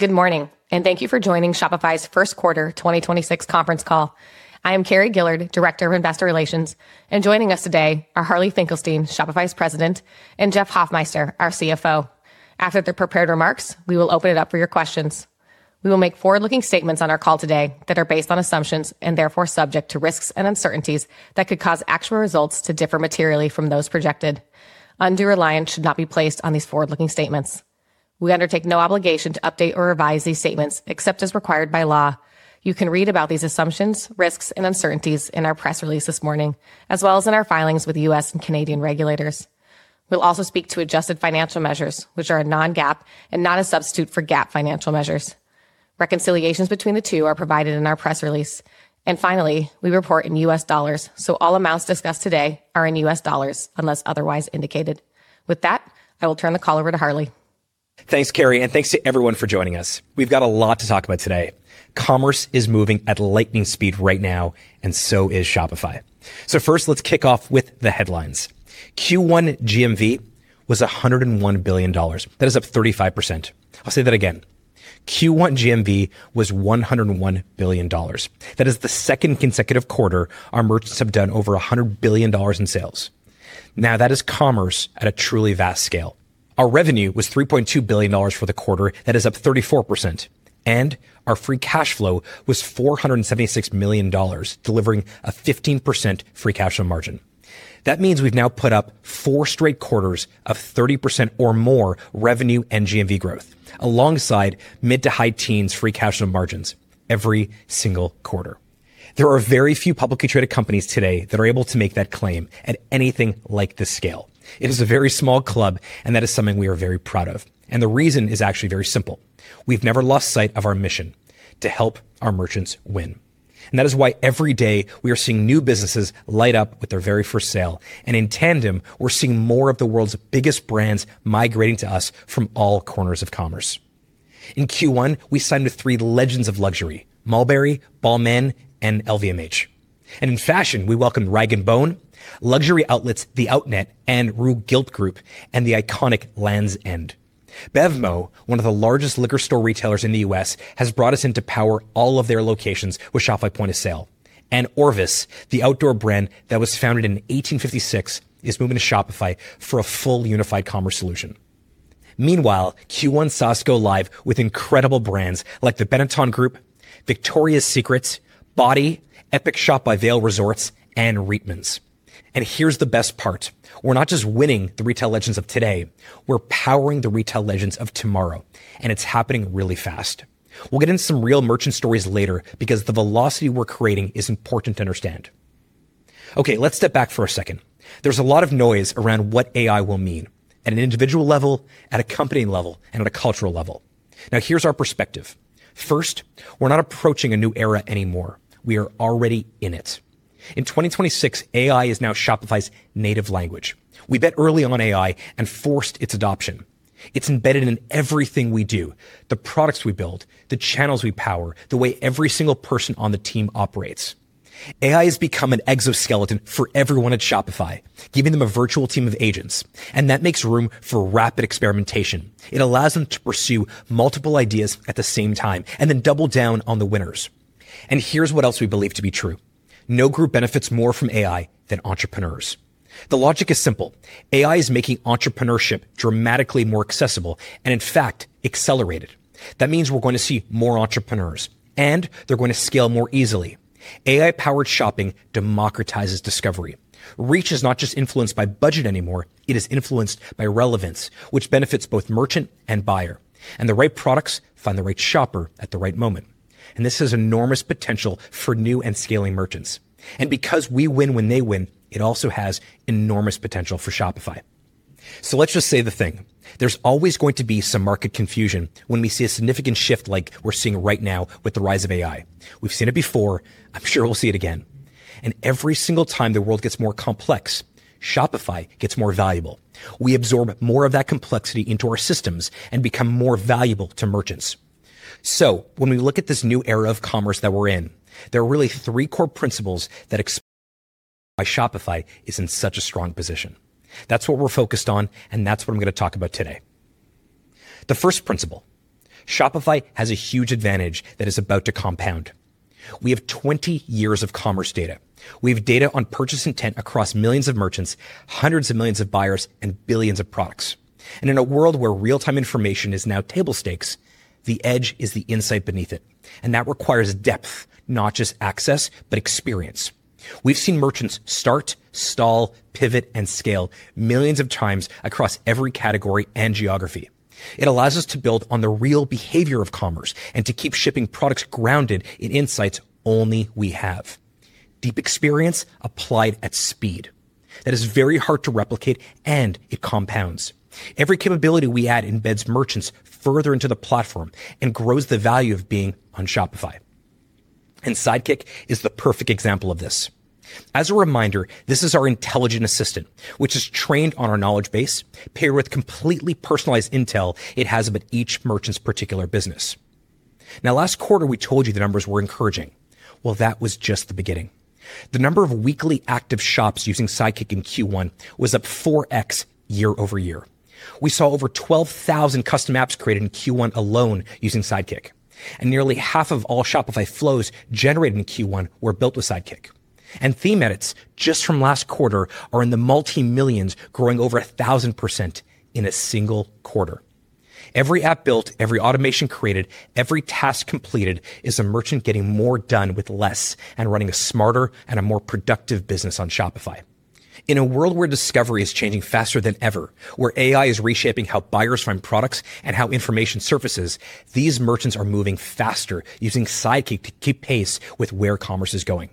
Good morning, and thank you for joining Shopify's first quarter 2026 conference call. I am Carrie Gillard, Director of Investor Relations, and joining us today are Harley Finkelstein, Shopify's President, and Jeff Hoffmeister, our CFO. After their prepared remarks, we will open it up for your questions. We will make forward-looking statements on our call today that are based on assumptions and therefore subject to risks and uncertainties that could cause actual results to differ materially from those projected. Undue reliance should not be placed on these forward-looking statements. We undertake no obligation to update or revise these statements except as required by law. You can read about these assumptions, risks, and uncertainties in our press release this morning, as well as in our filings with the U.S. and Canadian regulators. We'll also speak to adjusted financial measures, which are a non-GAAP and not a substitute for GAAP financial measures. Reconciliations between the two are provided in our press release. Finally, we report in US dollars, so all amounts discussed today are in US dollars unless otherwise indicated. With that, I will turn the call over to Harley. Thanks, Carrie, and thanks to everyone for joining us. We've got a lot to talk about today. Commerce is moving at lightning speed right now, and so is Shopify. First, let's kick off with the headlines. Q1 GMV was $101 billion. That is up 35%. I'll say that again. Q1 GMV was $101 billion. That is the second consecutive quarter our merchants have done over $100 billion in sales. Now, that is commerce at a truly vast scale. Our revenue was $3.2 billion for the quarter. That is up 34%. Our free cash flow was $476 million, delivering a 15% free cash flow margin. That means we've now put up four straight quarters of 30% or more revenue and GMV growth alongside mid to high teens free cash flow margins every single quarter. There are very few publicly traded companies today that are able to make that claim at anything like this scale. It is a very small club, and that is something we are very proud of. The reason is actually very simple. We've never lost sight of our mission to help our merchants win. That is why every day we are seeing new businesses light up with their very first sale, and in tandem, we're seeing more of the world's biggest brands migrating to us from all corners of commerce. In Q1, we signed with three legends of luxury, Mulberry, Balmain, and LVMH. In fashion, we welcomed rag & bone, luxury outlets The Outnet and Rue Gilt Groupe, and the iconic Lands' End. BevMo!, one of the largest liquor store retailers in the U.S., has brought us in to power all of their locations with Shopify Point of Sale. Orvis, the outdoor brand that was founded in 1856, is moving to Shopify for a full unified commerce solution. Meanwhile, Q1 SaaS go live with incredible brands like the Benetton Group, Victoria's Secret, Body, Epic Shop by Vail Resorts, and Reitmans. Here's the best part. We're not just winning the retail legends of today. We're powering the retail legends of tomorrow, and it's happening really fast. We'll get into some real merchant stories later because the velocity we're creating is important to understand. Okay, let's step back for a second. There's a lot of noise around what AI will mean at an individual level, at a company level, and at a cultural level. Here's our perspective. First, we're not approaching a new era anymore. We are already in it. In 2026, AI is now Shopify's native language. We bet early on AI and forced its adoption. It's embedded in everything we do, the products we build, the channels we power, the way every single person on the team operates. AI has become an exoskeleton for everyone at Shopify, giving them a virtual team of agents, and that makes room for rapid experimentation. It allows them to pursue multiple ideas at the same time and then double down on the winners. Here's what else we believe to be true. No group benefits more from AI than entrepreneurs. The logic is simple. AI is making entrepreneurship dramatically more accessible and, in fact, accelerated. That means we're going to see more entrepreneurs, and they're going to scale more easily. AI-powered shopping democratizes discovery. Reach is not just influenced by budget anymore. It is influenced by relevance, which benefits both merchant and buyer. The right products find the right shopper at the right moment. This has enormous potential for new and scaling merchants. Because we win when they win, it also has enormous potential for Shopify. Let's just say the thing. There's always going to be some market confusion when we see a significant shift like we're seeing right now with the rise of AI. We've seen it before. I'm sure we'll see it again. Every single time the world gets more complex, Shopify gets more valuable. We absorb more of that complexity into our systems and become more valuable to merchants. When we look at this new era of commerce that we're in, there are really three core principles that explain why Shopify is in such a strong position. That's what we're focused on, and that's what I'm gonna talk about today. The first principle, Shopify has a huge advantage that is about to compound. We have 20 years of commerce data. We have data on purchase intent across millions of merchants, hundreds of millions of buyers, and billions of products. In a world where real-time information is now table stakes, the edge is the insight beneath it, and that requires depth, not just access, but experience. We've seen merchants start, stall, pivot, and scale millions of times across every category and geography. It allows us to build on the real behavior of commerce and to keep shipping products grounded in insights only we have. Deep experience applied at speed. That is very hard to replicate, and it compounds. Every capability we add embeds merchants further into the platform and grows the value of being on Shopify. Sidekick is the perfect example of this. As a reminder, this is our intelligent assistant, which is trained on our knowledge base, paired with completely personalized intel it has about each merchant's particular business. Now, last quarter we told you the numbers were encouraging. Well, that was just the beginning. The number of weekly active shops using Sidekick in Q1 was up 4x year-over-year. We saw over 12,000 custom apps created in Q1 alone using Sidekick, and nearly half of all Shopify Flow generated in Q1 were built with Sidekick. Theme edits just from last quarter are in the multi-millions, growing over 1,000% in a single quarter. Every app built, every automation created, every task completed is a merchant getting more done with less and running a smarter and a more productive business on Shopify. In a world where discovery is changing faster than ever, where AI is reshaping how buyers find products and how information surfaces, these merchants are moving faster using Sidekick to keep pace with where commerce is going.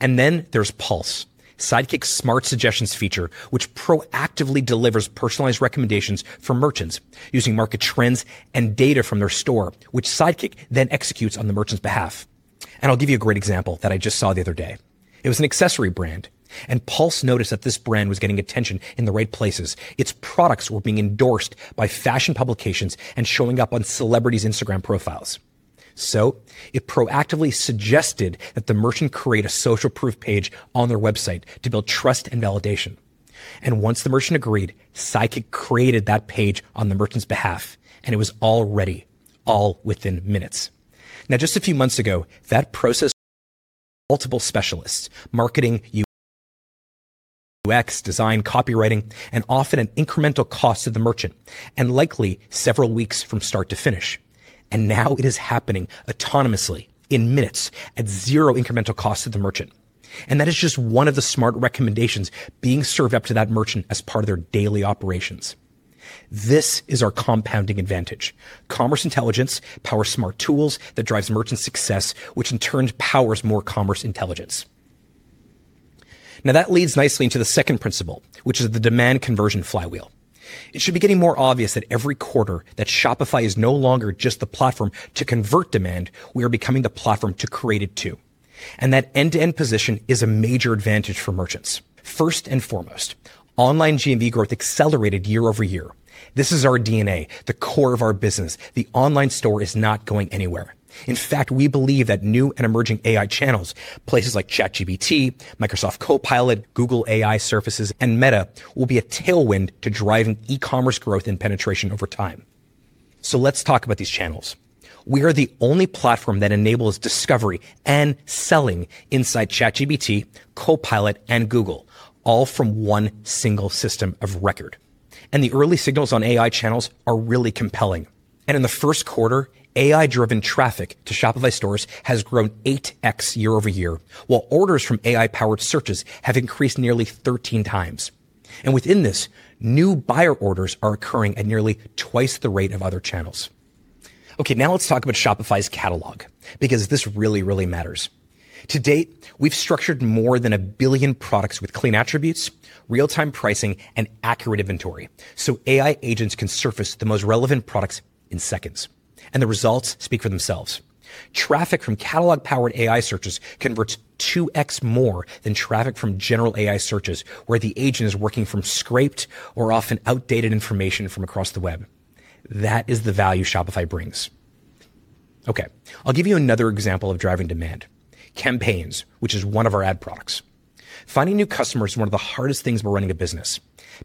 There's Pulse, Sidekick's smart suggestions feature, which proactively delivers personalized recommendations for merchants using market trends and data from their store, which Sidekick then executes on the merchant's behalf. I'll give you a great example that I just saw the other day. It was an accessory brand, and Pulse noticed that this brand was getting attention in the right places. Its products were being endorsed by fashion publications and showing up on celebrities' Instagram profiles. It proactively suggested that the merchant create a social proof page on their website to build trust and validation. Once the merchant agreed, Sidekick created that page on the merchant's behalf, and it was all ready, all within minutes. Now, just a few months ago, that process multiple specialists, marketing, UX design, copywriting, and often an incremental cost to the merchant, and likely several weeks from start to finish. Now it is happening autonomously in minutes at zero incremental cost to the merchant. That is just one of the smart recommendations being served up to that merchant as part of their daily operations. This is our compounding advantage. Commerce intelligence powers smart tools that drives merchant success, which in turn powers more commerce intelligence. That leads nicely into the second principle, which is the demand conversion flywheel. It should be getting more obvious that every quarter that Shopify is no longer just the platform to convert demand, we are becoming the platform to create it too. That end-to-end position is a major advantage for merchants. First and foremost, online GMV growth accelerated year-over-year. This is our DNA, the core of our business. The online store is not going anywhere. In fact, we believe that new and emerging AI channels, places like ChatGPT, Microsoft Copilot, Google AI surfaces, and Meta will be a tailwind to driving e-commerce growth and penetration over time. Let's talk about these channels. We are the only platform that enables discovery and selling inside ChatGPT, Copilot, and Google, all from one single system of record. The early signals on AI channels are really compelling. In the first quarter, AI-driven traffic to Shopify stores has grown 8x year-over-year, while orders from AI-powered searches have increased nearly 13x. Within this, new buyer orders are occurring at nearly twice the rate of other channels. Now let's talk about Shopify's catalog, because this really, really matters. To date, we've structured more than 1 billion products with clean attributes, real-time pricing, and accurate inventory, so AI agents can surface the most relevant products in seconds, and the results speak for themselves. Traffic from catalog-powered AI searches converts 2x more than traffic from general AI searches, where the agent is working from scraped or often outdated information from across the web. That is the value Shopify brings. I'll give you another example of driving demand, campaigns, which is one of our ad products. Finding new customers is one of the hardest things about running a business.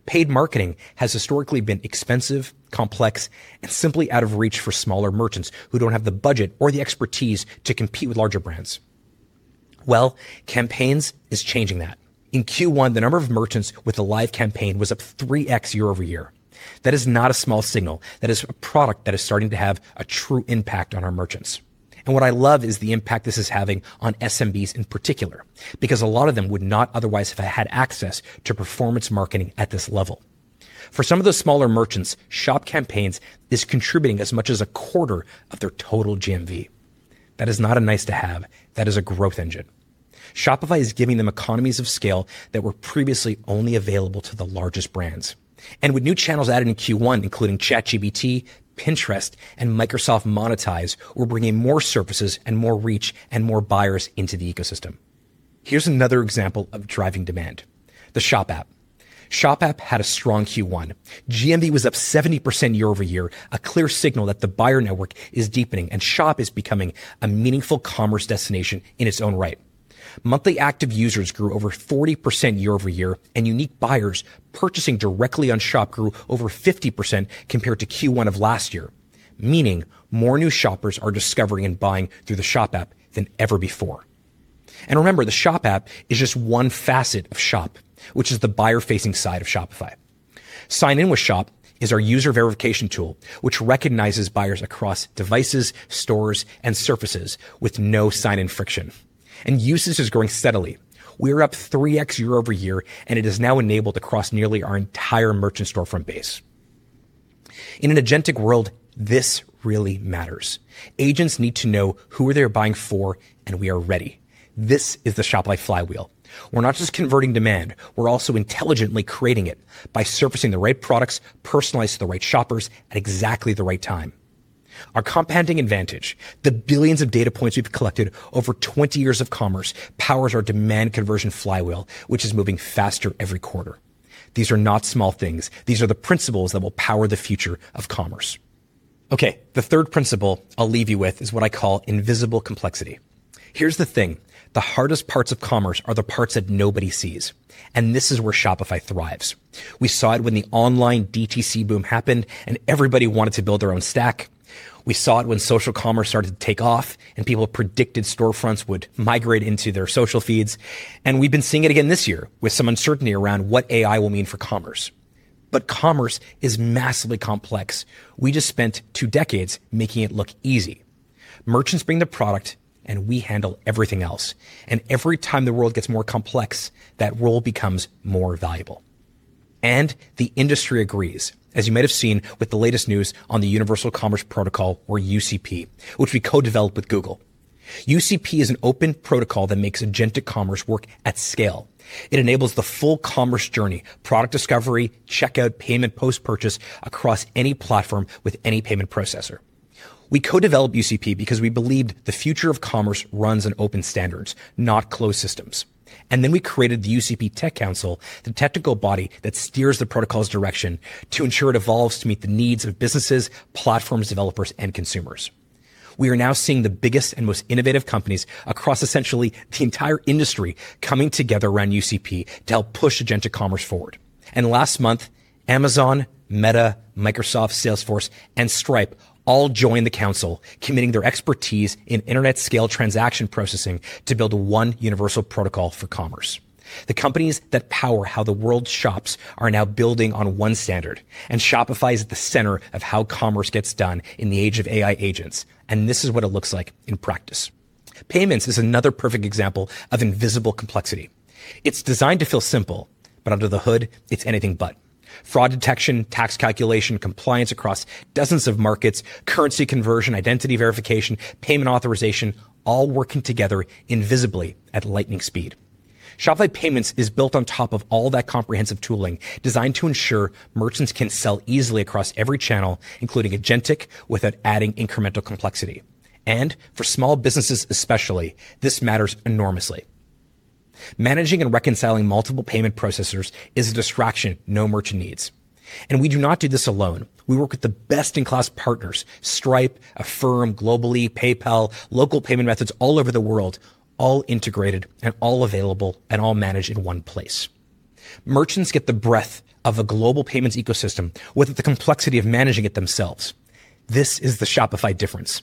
Paid marketing has historically been expensive, complex, and simply out of reach for smaller merchants who don't have the budget or the expertise to compete with larger brands. Well, Campaigns is changing that. In Q1, the number of merchants with a live campaign was up 3x year-over-year. That is not a small signal. That is a product that is starting to have a true impact on our merchants. What I love is the impact this is having on SMBs in particular, because a lot of them would not otherwise have had access to performance marketing at this level. For some of those smaller merchants, Shop Campaigns is contributing as much as a quarter of their total GMV. That is not a nice-to-have. That is a growth engine. Shopify is giving them economies of scale that were previously only available to the largest brands. With new channels added in Q1, including ChatGPT, Pinterest, and Microsoft Monetize, we're bringing more services and more reach and more buyers into the ecosystem. Here's another example of driving demand, the Shop app. Shop app had a strong Q1. GMV was up 70% year-over-year, a clear signal that the buyer network is deepening, and Shop is becoming a meaningful commerce destination in its own right. Monthly active users grew over 40% year-over-year, and unique buyers purchasing directly on Shop grew over 50% compared to Q1 of last year, meaning more new shoppers are discovering and buying through the Shop app than ever before. Remember, the Shop app is just one facet of Shop, which is the buyer-facing side of Shopify. Sign in with Shop is our user verification tool, which recognizes buyers across devices, stores, and surfaces with no sign-in friction. Usage is growing steadily. We are up 3x year-over-year, and it is now enabled across nearly our entire merchant storefront base. In an agentic world, this really matters. Agents need to know who they are buying for, and we are ready. This is the Shopify flywheel. We're not just converting demand. We're also intelligently creating it by surfacing the right products personalized to the right shoppers at exactly the right time. Our compounding advantage, the billions of data points we've collected over 20 years of commerce, powers our demand conversion flywheel, which is moving faster every quarter. These are not small things. These are the principles that will power the future of commerce. Okay, the third principle I'll leave you with is what I call invisible complexity. Here's the thing, the hardest parts of commerce are the parts that nobody sees, and this is where Shopify thrives. We saw it when the online DTC boom happened and everybody wanted to build their own stack. We saw it when social commerce started to take off and people predicted storefronts would migrate into their social feeds. We've been seeing it again this year with some uncertainty around what AI will mean for commerce. Commerce is massively complex. We just spent two decades making it look easy. Merchants bring the product, and we handle everything else. Every time the world gets more complex, that role becomes more valuable. The industry agrees. As you might have seen with the latest news on the Universal Commerce Protocol or UCP, which we co-developed with Google. UCP is an open protocol that makes agentic commerce work at scale. It enables the full commerce journey, product discovery, checkout, payment, post-purchase across any platform with any payment processor. We co-developed UCP because we believed the future of commerce runs on open standards, not closed systems. We created the UCP Tech Council, the technical body that steers the protocol's direction to ensure it evolves to meet the needs of businesses, platforms, developers, and consumers. We are now seeing the biggest and most innovative companies across essentially the entire industry coming together around UCP to help push agentic commerce forward. Last month, Amazon, Meta, Microsoft, Salesforce, and Stripe all joined the council, committing their expertise in internet scale transaction processing to build one Universal Commerce Protocol. The companies that power how the world shops are now building on one standard. Shopify is at the center of how commerce gets done in the age of AI agents. This is what it looks like in practice. Payments is another perfect example of invisible complexity. It's designed to feel simple, but under the hood, it's anything but. Fraud detection, tax calculation, compliance across dozens of markets, currency conversion, identity verification, payment authorization, all working together invisibly at lightning speed. Shopify Payments is built on top of all that comprehensive tooling designed to ensure merchants can sell easily across every channel, including agentic, without adding incremental complexity. For small businesses especially, this matters enormously. Managing and reconciling multiple payment processors is a distraction no merchant needs, and we do not do this alone. We work with the best-in-class partners, Stripe, Affirm, Global-e, PayPal, local payment methods all over the world, all integrated and all available and all managed in one place. Merchants get the breadth of a global payments ecosystem without the complexity of managing it themselves. This is the Shopify difference.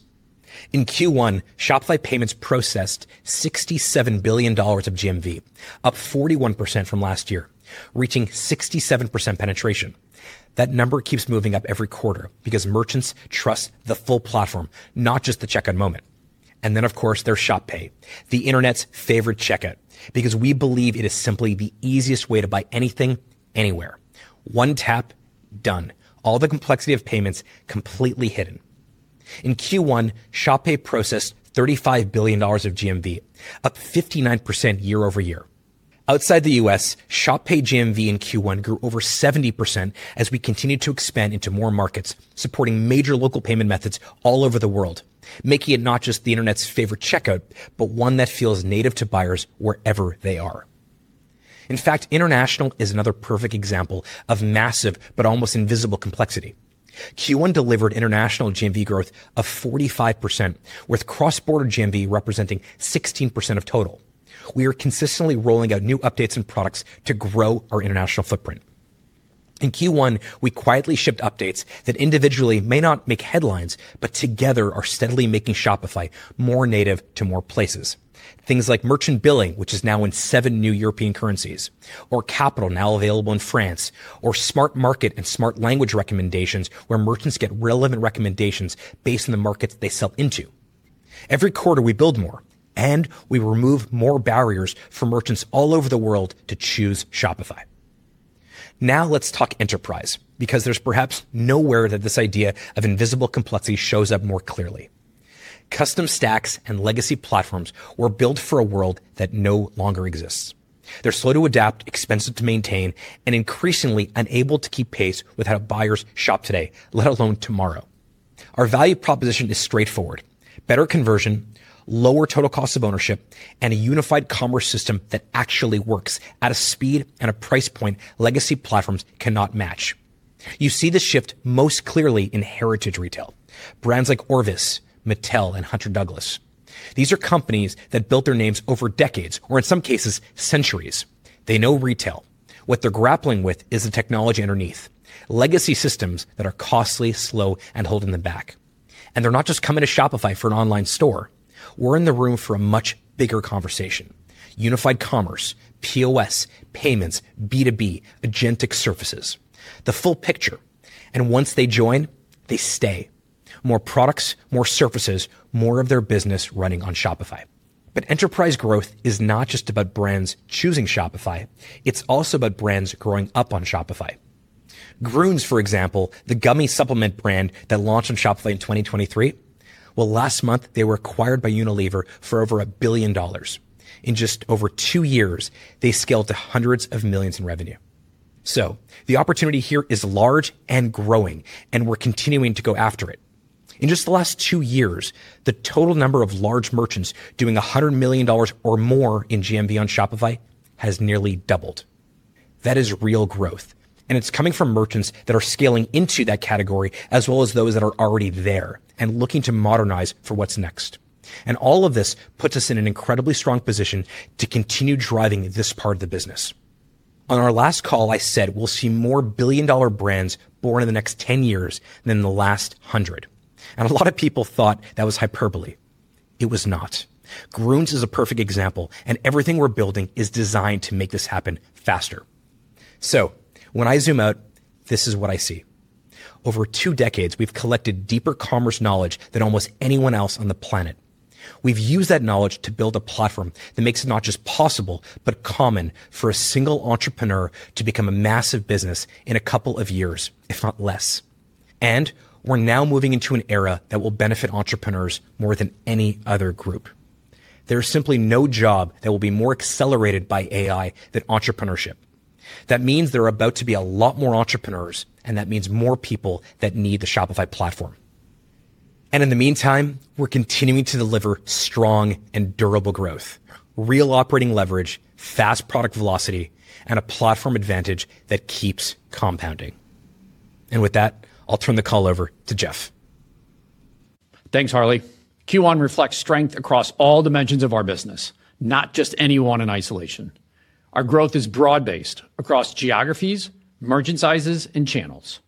In Q1, Shopify Payments processed $67 billion of GMV, up 41% from last year, reaching 67% penetration. That number keeps moving up every quarter because merchants trust the full platform, not just the checkout moment. Then, of course, there's Shop Pay, the internet's favorite checkout, because we believe it is simply the easiest way to buy anything, anywhere. One tap, done. All the complexity of payments completely hidden. In Q1, Shop Pay processed $35 billion of GMV, up 59% year-over-year. Outside the U.S., Shop Pay GMV in Q1 grew over 70% as we continued to expand into more markets, supporting major local payment methods all over the world, making it not just the internet's favorite checkout, but one that feels native to buyers wherever they are. In fact, international is another perfect example of massive but almost invisible complexity. Q1 delivered international GMV growth of 45%, with cross-border GMV representing 16% of total. We are consistently rolling out new updates and products to grow our international footprint. In Q1, we quietly shipped updates that individually may not make headlines, but together are steadily making Shopify more native to more places. Things like merchant billing, which is now in seven new European currencies, or capital now available in France, or smart market and smart language recommendations, where merchants get relevant recommendations based on the markets they sell into. Every quarter, we build more, and we remove more barriers for merchants all over the world to choose Shopify. Let's talk enterprise, because there's perhaps nowhere that this idea of invisible complexity shows up more clearly. Custom stacks and legacy platforms were built for a world that no longer exists. They're slow to adapt, expensive to maintain, and increasingly unable to keep pace with how buyers shop today, let alone tomorrow. Our value proposition is straightforward, better conversion, lower total cost of ownership, and a unified commerce system that actually works at a speed and a price point legacy platforms cannot match. You see this shift most clearly in heritage retail. Brands like Orvis, Mattel, and Hunter Douglas. These are companies that built their names over decades, or in some cases, centuries. They know retail. What they're grappling with is the technology underneath, legacy systems that are costly, slow, and holding them back. They're not just coming to Shopify for an online store. We're in the room for a much bigger conversation. Unified commerce, POS, payments, B2B, agentic services, the full picture. Once they join, they stay. More products, more services, more of their business running on Shopify. Enterprise growth is not just about brands choosing Shopify. It's also about brands growing up on Shopify. Grüns, for example, the gummy supplement brand that launched on Shopify in 2023, well, last month, they were acquired by Unilever for over $1 billion. In just over two years, they scaled to hundreds of millions in revenue. The opportunity here is large and growing, and we're continuing to go after it. In just the last two years, the total number of large merchants doing $100 million or more in GMV on Shopify has nearly doubled. That is real growth, and it's coming from merchants that are scaling into that category as well as those that are already there and looking to modernize for what's next. All of this puts us in an incredibly strong position to continue driving this part of the business. On our last call, I said, "We'll see more billion-dollar brands born in the next 10 years than in the last 100." A lot of people thought that was hyperbole. It was not. Grüns is a perfect example, and everything we're building is designed to make this happen faster. When I zoom out, this is what I see. Over two decades, we've collected deeper commerce knowledge than almost anyone else on the planet. We've used that knowledge to build a platform that makes it not just possible, but common for a single entrepreneur to become a massive business in a couple of years, if not less. We're now moving into an era that will benefit entrepreneurs more than any one other group. There is simply no job that will be more accelerated by AI than entrepreneurship. That means there are about to be a lot more entrepreneurs, and that means more people that need the Shopify platform. In the meantime, we're continuing to deliver strong and durable growth, real operating leverage, fast product velocity, and a platform advantage that keeps compounding. With that, I'll turn the call over to Jeff. Thanks, Harley. Q1 reflects strength across all dimensions of our business, not just any one in isolation. Our growth is broad-based across geographies, merchant sizes, and channels.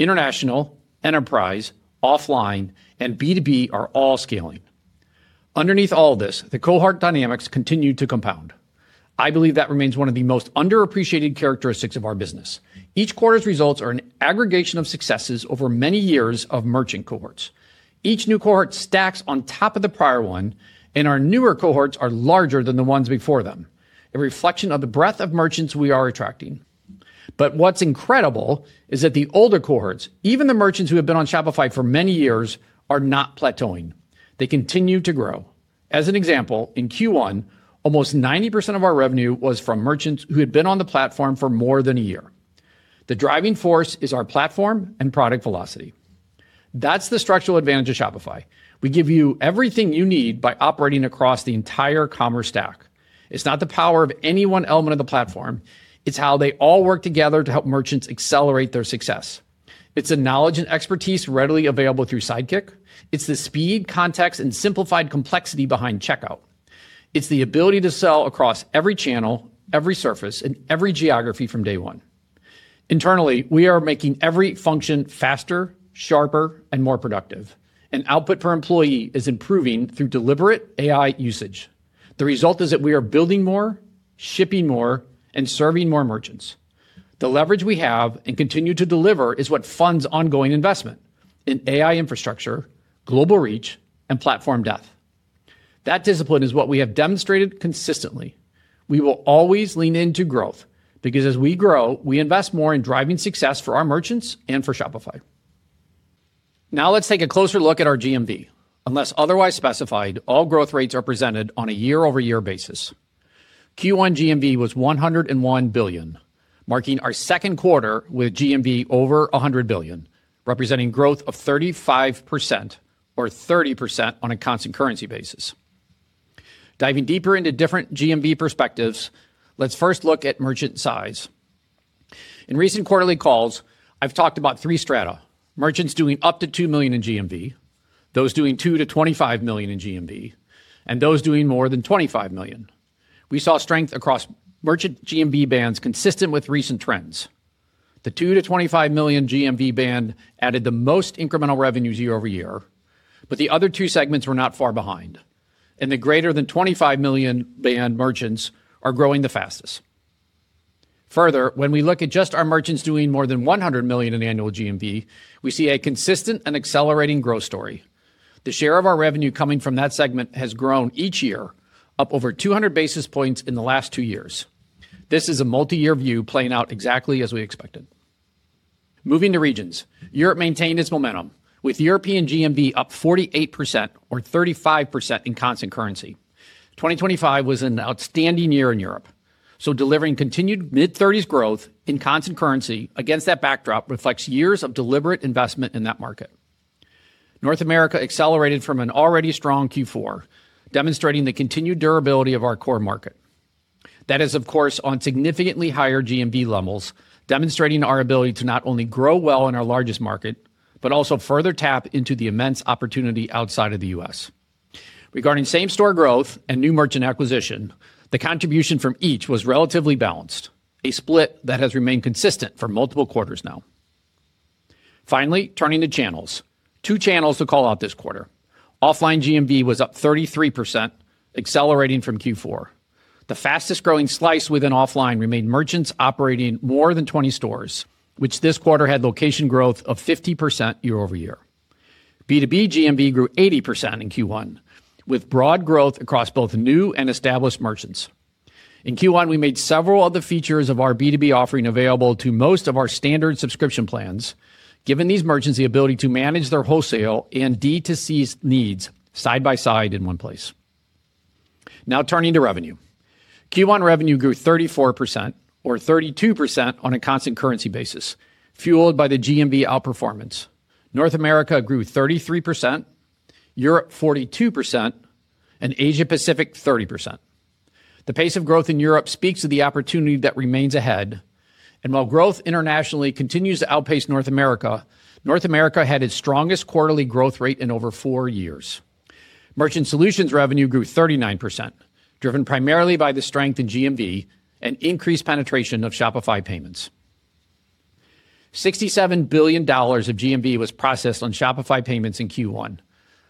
International, enterprise, offline, and B2B are all scaling. Underneath all of this, the cohort dynamics continue to compound. I believe that remains one of the most underappreciated characteristics of our business. Each quarter's results are an aggregation of successes over many years of merchant cohorts. Each new cohort stacks on top of the prior one, and our newer cohorts are larger than the ones before them, a reflection of the breadth of merchants we are attracting. What's incredible is that the older cohorts, even the merchants who have been on Shopify for many years, are not plateauing. They continue to grow. As an example, in Q1, almost 90% of our revenue was from merchants who had been on the platform for more than a year. The driving force is our platform and product velocity. That's the structural advantage of Shopify. We give you everything you need by operating across the entire commerce stack. It's not the power of any one element of the platform, it's how they all work together to help merchants accelerate their success. It's a knowledge and expertise readily available through Sidekick. It's the speed, context, and simplified complexity behind checkout. It's the ability to sell across every channel, every surface, and every geography from day one. Internally, we are making every function faster, sharper, and more productive. Output per employee is improving through deliberate AI usage. The result is that we are building more, shipping more, and serving more merchants. The leverage we have and continue to deliver is what funds ongoing investment in AI infrastructure, global reach, and platform depth. That discipline is what we have demonstrated consistently. We will always lean into growth because as we grow, we invest more in driving success for our merchants and for Shopify. Let's take a closer look at our GMV. Unless otherwise specified, all growth rates are presented on a year-over-year basis. Q1 GMV was $101 billion, marking our second quarter with GMV over $100 billion, representing growth of 35% or 30% on a constant currency basis. Diving deeper into different GMV perspectives, let's first look at merchant size. In recent quarterly calls, I've talked about three strata, merchants doing up to $2 million in GMV, those doing $2 million-$25 million in GMV, and those doing more than $25 million. We saw strength across merchant GMV bands consistent with recent trends. The $2 million-$25 million GMV band added the most incremental revenues year-over-year, but the other two segments were not far behind, and the greater than $25 million band merchants are growing the fastest. Further, when we look at just our merchants doing more than $100 million in annual GMV, we see a consistent and accelerating growth story. The share of our revenue coming from that segment has grown each year, up over 200 basis points in the last two years. This is a multi-year view playing out exactly as we expected. Moving to regions. Europe maintained its momentum, with European GMV up 48% or 35% in constant currency. 2025 was an outstanding year in Europe, delivering continued mid-30s growth in constant currency against that backdrop reflects years of deliberate investment in that market. North America accelerated from an already strong Q4, demonstrating the continued durability of our core market. That is, of course, on significantly higher GMV levels, demonstrating our ability to not only grow well in our largest market, but also further tap into the immense opportunity outside of the U.S. Regarding same-store growth and new merchant acquisition, the contribution from each was relatively balanced, a split that has remained consistent for multiple quarters now. Finally, turning to channels. Two channels to call out this quarter. Offline GMV was up 33%, accelerating from Q4. The fastest-growing slice within offline remained merchants operating more than 20 stores, which this quarter had location growth of 50% year-over-year. B2B GMV grew 80% in Q1, with broad growth across both new and established merchants. In Q1, we made several other features of our B2B offering available to most of our standard subscription plans, giving these merchants the ability to manage their wholesale and D2C needs side by side in one place. Turning to revenue. Q1 revenue grew 34% or 32% on a constant currency basis, fueled by the GMV outperformance. North America grew 33%, Europe 42% and Asia Pacific 30%. The pace of growth in Europe speaks to the opportunity that remains ahead. While growth internationally continues to outpace North America, North America had its strongest quarterly growth rate in over four years. Merchant Solutions revenue grew 39%, driven primarily by the strength in GMV and increased penetration of Shopify Payments. $67 billion of GMV was processed on Shopify Payments in Q1.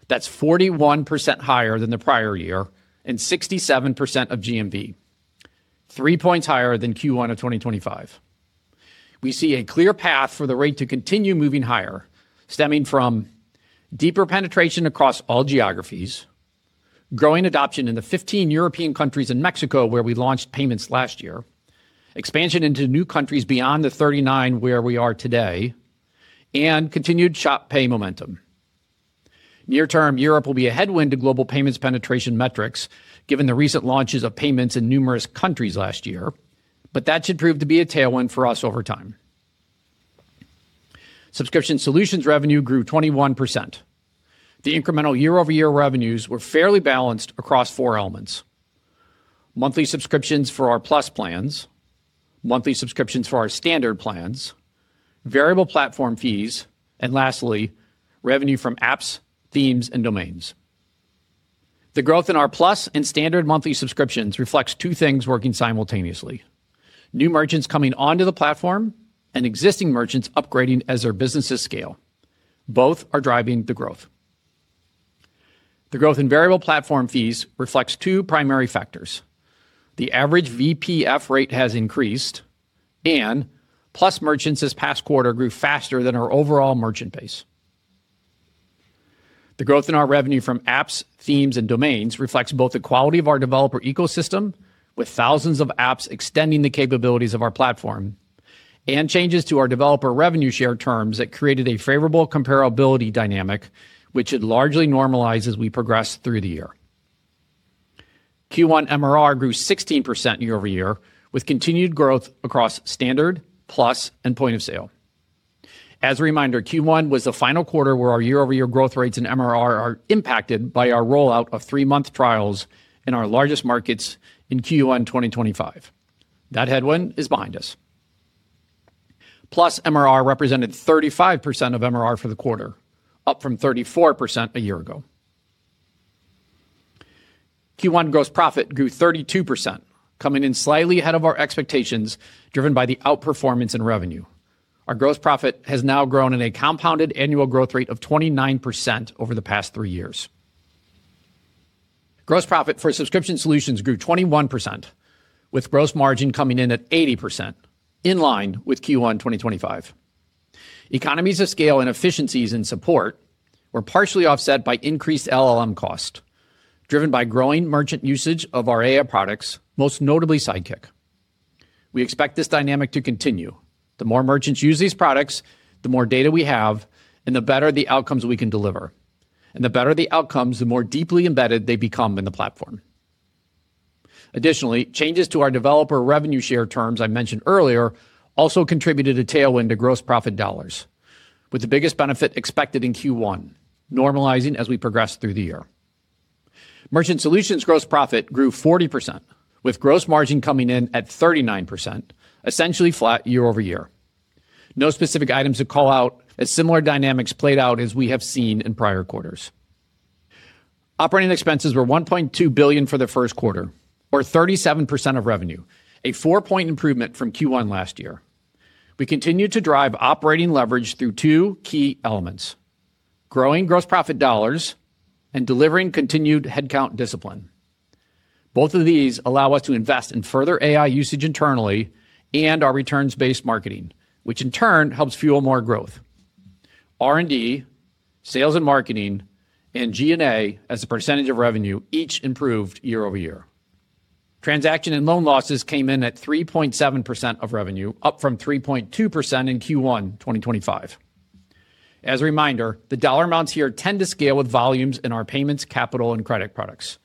That's 41% higher than the prior year and 67% of GMV, 3 points higher than Q1 of 2025. We see a clear path for the rate to continue moving higher, stemming from deeper penetration across all geographies, growing adoption in the 15 European countries and Mexico where we launched payments last year, expansion into new countries beyond the 39 where we are today, and continued Shop Pay momentum. Near term, Europe will be a headwind to global payments penetration metrics given the recent launches of payments in numerous countries last year, but that should prove to be a tailwind for us over time. Subscription Solutions revenue grew 21%. The incremental year-over-year revenues were fairly balanced across four elements: monthly subscriptions for our Plus plans, monthly subscriptions for our Standard plans, variable platform fees, and lastly, revenue from apps, themes, and domains. The growth in our Plus and Standard monthly subscriptions reflects two things working simultaneously: new merchants coming onto the platform and existing merchants upgrading as their businesses scale. Both are driving the growth. The growth in variable platform fees reflects two primary factors. The average VPF rate has increased and Plus merchants this past quarter grew faster than our overall merchant base. The growth in our revenue from apps, themes, and domains reflects both the quality of our developer ecosystem, with thousands of apps extending the capabilities of our platform, and changes to our developer revenue share terms that created a favorable comparability dynamic, which should largely normalize as we progress through the year. Q1 MRR grew 16% year-over-year, with continued growth across Standard, Plus, and Point of Sale. As a reminder, Q1 was the final quarter where our year-over-year growth rates in MRR are impacted by our rollout of three-month trials in our largest markets in Q1 2025. That headwind is behind us. Plus MRR represented 35% of MRR for the quarter, up from 34% a year ago. Q1 gross profit grew 32%, coming in slightly ahead of our expectations, driven by the outperformance in revenue. Our gross profit has now grown at a compounded annual growth rate of 29% over the past three years. Gross profit for Subscription Solutions grew 21%, with gross margin coming in at 80%, in line with Q1 2025. Economies of scale and efficiencies in support were partially offset by increased LLM cost, driven by growing merchant usage of our AI products, most notably Sidekick. We expect this dynamic to continue. The more merchants use these products, the more data we have, and the better the outcomes we can deliver. The better the outcomes, the more deeply embedded they become in the platform. Additionally, changes to our developer revenue share terms I mentioned earlier also contributed a tailwind to gross profit dollars, with the biggest benefit expected in Q1, normalizing as we progress through the year. Merchant Solutions gross profit grew 40%, with gross margin coming in at 39%, essentially flat year-over-year. No specific items to call out as similar dynamics played out as we have seen in prior quarters. Operating expenses were $1.2 billion for the first quarter or 37% of revenue, a 4-point improvement from Q1 last year. We continue to drive operating leverage through two key elements, growing gross profit dollars and delivering continued headcount discipline. Both of these allow us to invest in further AI usage internally and our returns-based marketing, which in turn helps fuel more growth. R&D, sales and marketing, and G&A as a percentage of revenue each improved year-over-year. Transaction and loan losses came in at 3.7% of revenue, up from 3.2% in Q1 2025. As a reminder, the dollar amounts here tend to scale with volumes in our payments, capital, and credit products.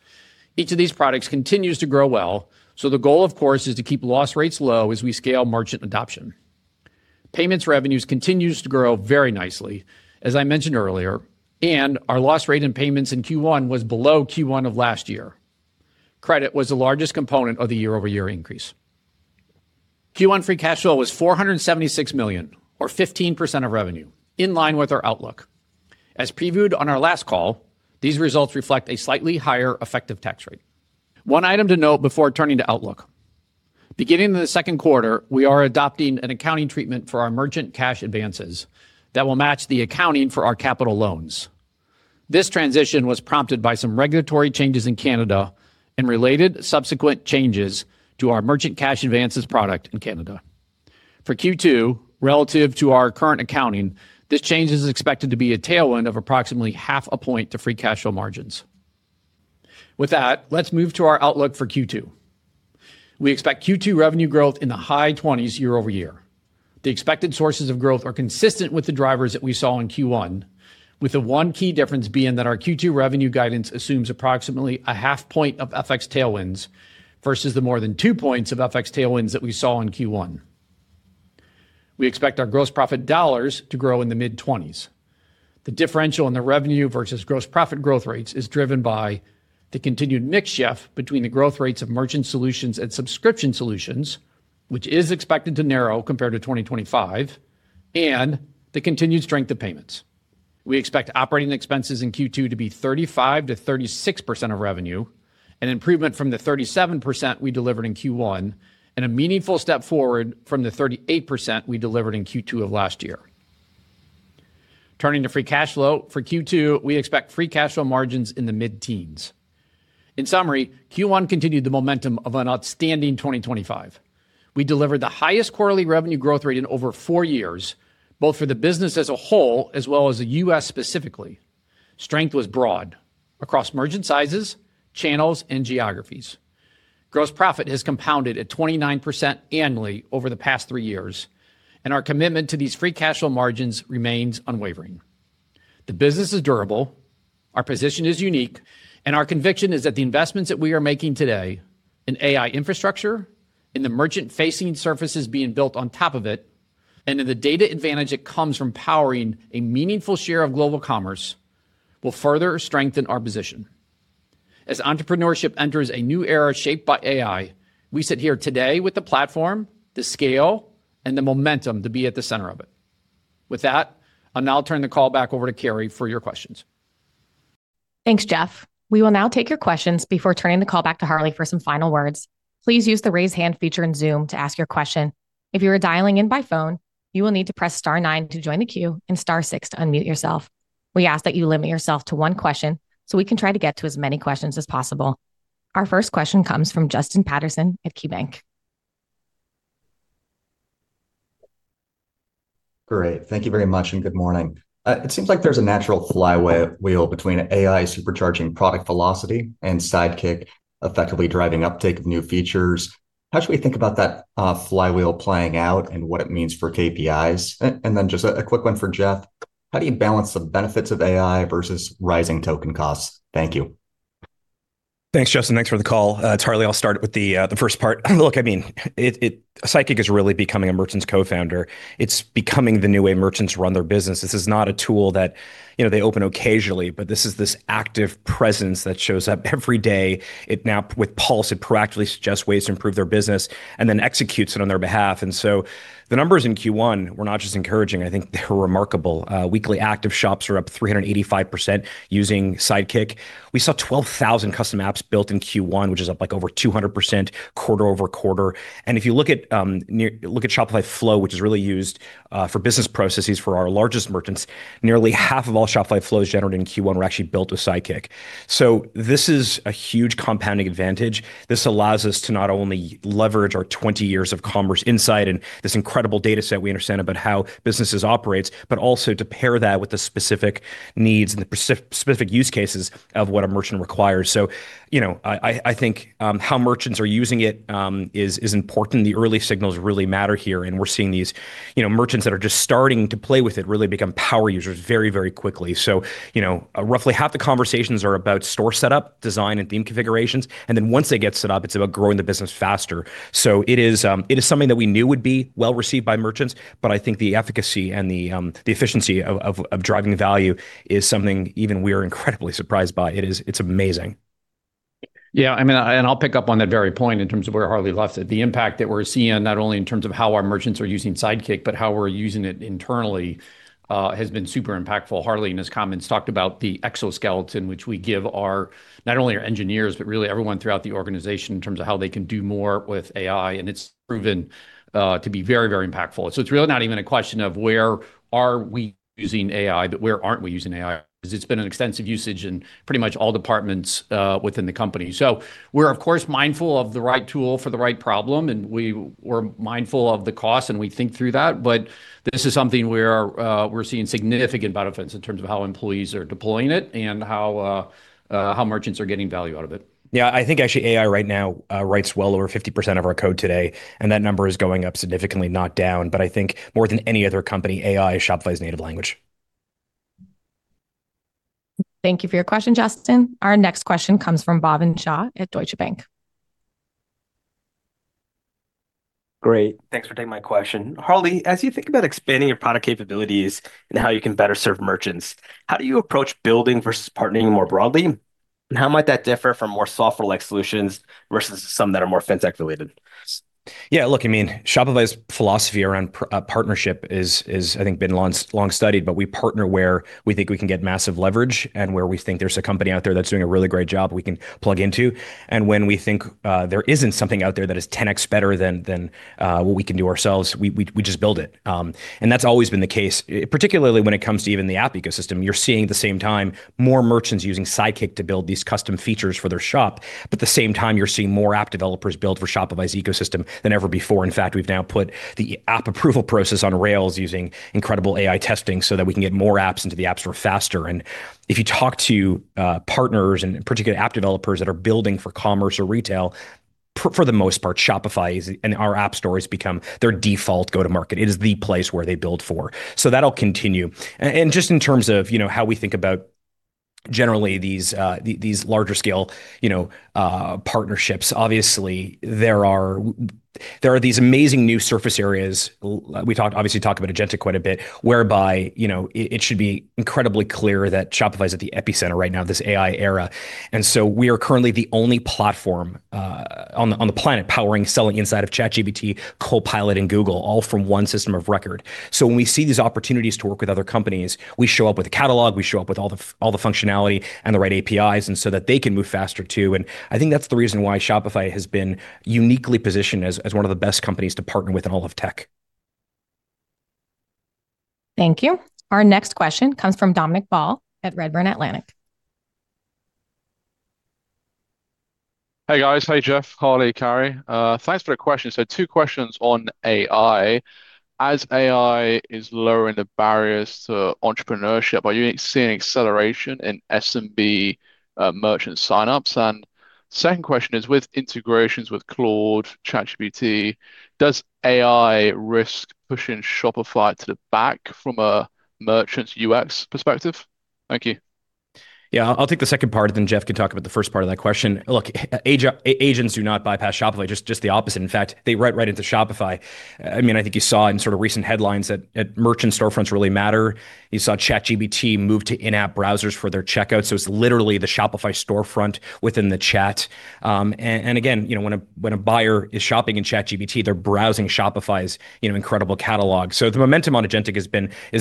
Each of these products continues to grow well, the goal, of course, is to keep loss rates low as we scale merchant adoption. Payments revenues continues to grow very nicely, as I mentioned earlier, and our loss rate in payments in Q1 was below Q1 of last year. Credit was the largest component of the year-over-year increase. Q1 free cash flow was $476 million or 15% of revenue, in line with our outlook. As previewed on our last call, these results reflect a slightly higher effective tax rate. One item to note before turning to outlook. Beginning in the second quarter, we are adopting an accounting treatment for our merchant cash advances that will match the accounting for our capital loans. This transition was prompted by some regulatory changes in Canada and related subsequent changes to our merchant cash advances product in Canada. For Q2, relative to our current accounting, this change is expected to be a tailwind of approximately half a point to free cash flow margins. With that, let's move to our outlook for Q2. We expect Q2 revenue growth in the high 20s year-over-year. The expected sources of growth are consistent with the drivers that we saw in Q1, with the one key difference being that our Q2 revenue guidance assumes approximately a half point of FX tailwinds versus the more than 2 points of FX tailwinds that we saw in Q1. We expect our gross profit dollars to grow in the mid-20s. The differential in the revenue versus gross profit growth rates is driven by the continued mix shift between the growth rates of merchant solutions and subscription solutions, which is expected to narrow compared to 2025, and the continued strength of payments. We expect operating expenses in Q2 to be 35%-36% of revenue, an improvement from the 37% we delivered in Q1, and a meaningful step forward from the 38% we delivered in Q2 of last year. Turning to free cash flow, for Q2, we expect free cash flow margins in the mid-teens. In summary, Q1 continued the momentum of an outstanding 2025. We delivered the highest quarterly revenue growth rate in over four years, both for the business as a whole, as well as the U.S. specifically. Strength was broad across merchant sizes, channels, and geographies. Gross profit has compounded at 29% annually over the past three years, and our commitment to these free cash flow margins remains unwavering. The business is durable, our position is unique, and our conviction is that the investments that we are making today in AI infrastructure, in the merchant-facing surfaces being built on top of it, and in the data advantage that comes from powering a meaningful share of global commerce will further strengthen our position. As entrepreneurship enters a new era shaped by AI, we sit here today with the platform, the scale, and the momentum to be at the center of it. With that, I'll now turn the call back over to Carrie for your questions. Thanks, Jeff. We will now take your questions before turning the call back to Harley for some final words. Please use the raise hand feature and zoom to ask your question, if you're dialing in by phone you will need to press star nine to join the queue and star six to unmute yourself. We ask that you limit yourself to one question so we can try to get as many questions as possible. Our first question comes from Justin Patterson at KeyBanc. Great. Thank you very much, and good morning. It seems like there's a natural flywheel between AI supercharging product velocity and Sidekick effectively driving uptake of new features. How should we think about that flywheel playing out and what it means for KPIs? Then just a quick one for Jeff. How do you balance the benefits of AI versus rising token costs? Thank you. Thanks, Justin. Thanks for the call. It's Harley. I'll start with the first part. Look, I mean, it Sidekick is really becoming a merchant's co-founder. It's becoming the new way merchants run their business. This is not a tool that, you know, they open occasionally, but this is this active presence that shows up every day. It now, with Pulse, it proactively suggests ways to improve their business and then executes it on their behalf. The numbers in Q1 were not just encouraging, I think they were remarkable. Weekly active shops are up 385% using Sidekick. We saw 12,000 custom apps built in Q1, which is up, like, over 200% quarter-over-quarter. If you look at Shopify Flow, which is really used for business processes for our largest merchants, nearly half of all Shopify Flows generated in Q1 were actually built with Sidekick. This is a huge compounding advantage. This allows us to not only leverage our 20 years of commerce insight and this incredible data set we understand about how businesses operates, but also to pair that with the specific needs and the specific use cases of what a merchant requires. You know, I, I think, how merchants are using it, is important. The early signals really matter here, and we're seeing these, you know, merchants that are just starting to play with it really become power users very quickly. You know, roughly half the conversations are about store setup, design and theme configurations, and then once they get set up, it's about growing the business faster. It is, it is something that we knew would be well-received by merchants, but I think the efficacy and the efficiency of driving value is something even we are incredibly surprised by. It is, it's amazing. I mean, I'll pick up on that very point in terms of where Harley left it. The impact that we're seeing, not only in terms of how our merchants are using Sidekick, but how we're using it internally, has been super impactful. Harley, in his comments, talked about the exoskeleton which we give our, not only our engineers, but really everyone throughout the organization in terms of how they can do more with AI, and it's proven to be very, very impactful. It's really not even a question of where are we using AI, but where aren't we using AI? 'Cause it's been an extensive usage in pretty much all departments within the company. We're of course mindful of the right tool for the right problem, and we're mindful of the cost, and we think through that. This is something we are, we're seeing significant benefits in terms of how employees are deploying it and how merchants are getting value out of it. Yeah. I think actually AI right now writes well over 50% of our code today, and that number is going up significantly, not down. I think more than any other company, AI is Shopify's native language. Thank you for your question, Justin. Our next question comes from Bhavin Shah at Deutsche Bank. Great. Thanks for taking my question. Harley, as you think about expanding your product capabilities and how you can better serve merchants, how do you approach building versus partnering more broadly, and how might that differ from more software-like solutions versus some that are more fintech-related? Yeah, look, I mean, Shopify's philosophy around partnership is I think been long studied, we partner where we think we can get massive leverage and where we think there's a company out there that's doing a really great job we can plug into. When we think there isn't something out there that is 10 times better than what we can do ourselves, we just build it. That's always been the case, particularly when it comes to even the app ecosystem. You're seeing at the same time more merchants using Sidekick to build these custom features for their shop, at the same time you're seeing more app developers build for Shopify's ecosystem than ever before. In fact, we've now put the app approval process on rails using incredible AI testing so that we can get more apps into the App Store faster. If you talk to partners and in particular app developers that are building for commerce or retail, for the most part, Shopify is, and our App Store has become their default go-to-market. It is the place where they build for. That'll continue. Just in terms of, you know, how we can think about generally, these larger scale, you know, partnerships, obviously there are, there are these amazing new surface areas. We obviously talk about agentic quite a bit, whereby, you know, it should be incredibly clear that Shopify's at the epicenter right now of this AI era. We are currently the only platform on the planet powering selling inside of ChatGPT, Copilot and Google, all from one system of record. When we see these opportunities to work with other companies, we show up with a catalog, we show up with all the functionality and the right APIs, so that they can move faster, too. I think that's the reason why Shopify has been uniquely positioned as one of the best companies to partner with in all of tech. Thank you. Our next question comes from Dominic Ball at Redburn Atlantic. Hey, guys. Hey, Jeff. Harley, Carrie. Thanks for the question. Two questions on AI. As AI is lowering the barriers to entrepreneurship, are you seeing acceleration in SMB merchant signups? Second question is with integrations with Claude, ChatGPT, does AI risk pushing Shopify to the back from a merchant's UX perspective? Thank you. Yeah, I'll take the second part, and then Jeff can talk about the first part of that question. Look, agents do not bypass Shopify, just the opposite. They write right into Shopify. I mean, I think you saw in sort of recent headlines that merchant storefronts really matter. You saw ChatGPT move to in-app browsers for their checkout, so it's literally the Shopify storefront within the chat. And again, you know, when a buyer is shopping in ChatGPT, they're browsing Shopify's, you know, incredible catalog. The momentum on agentic has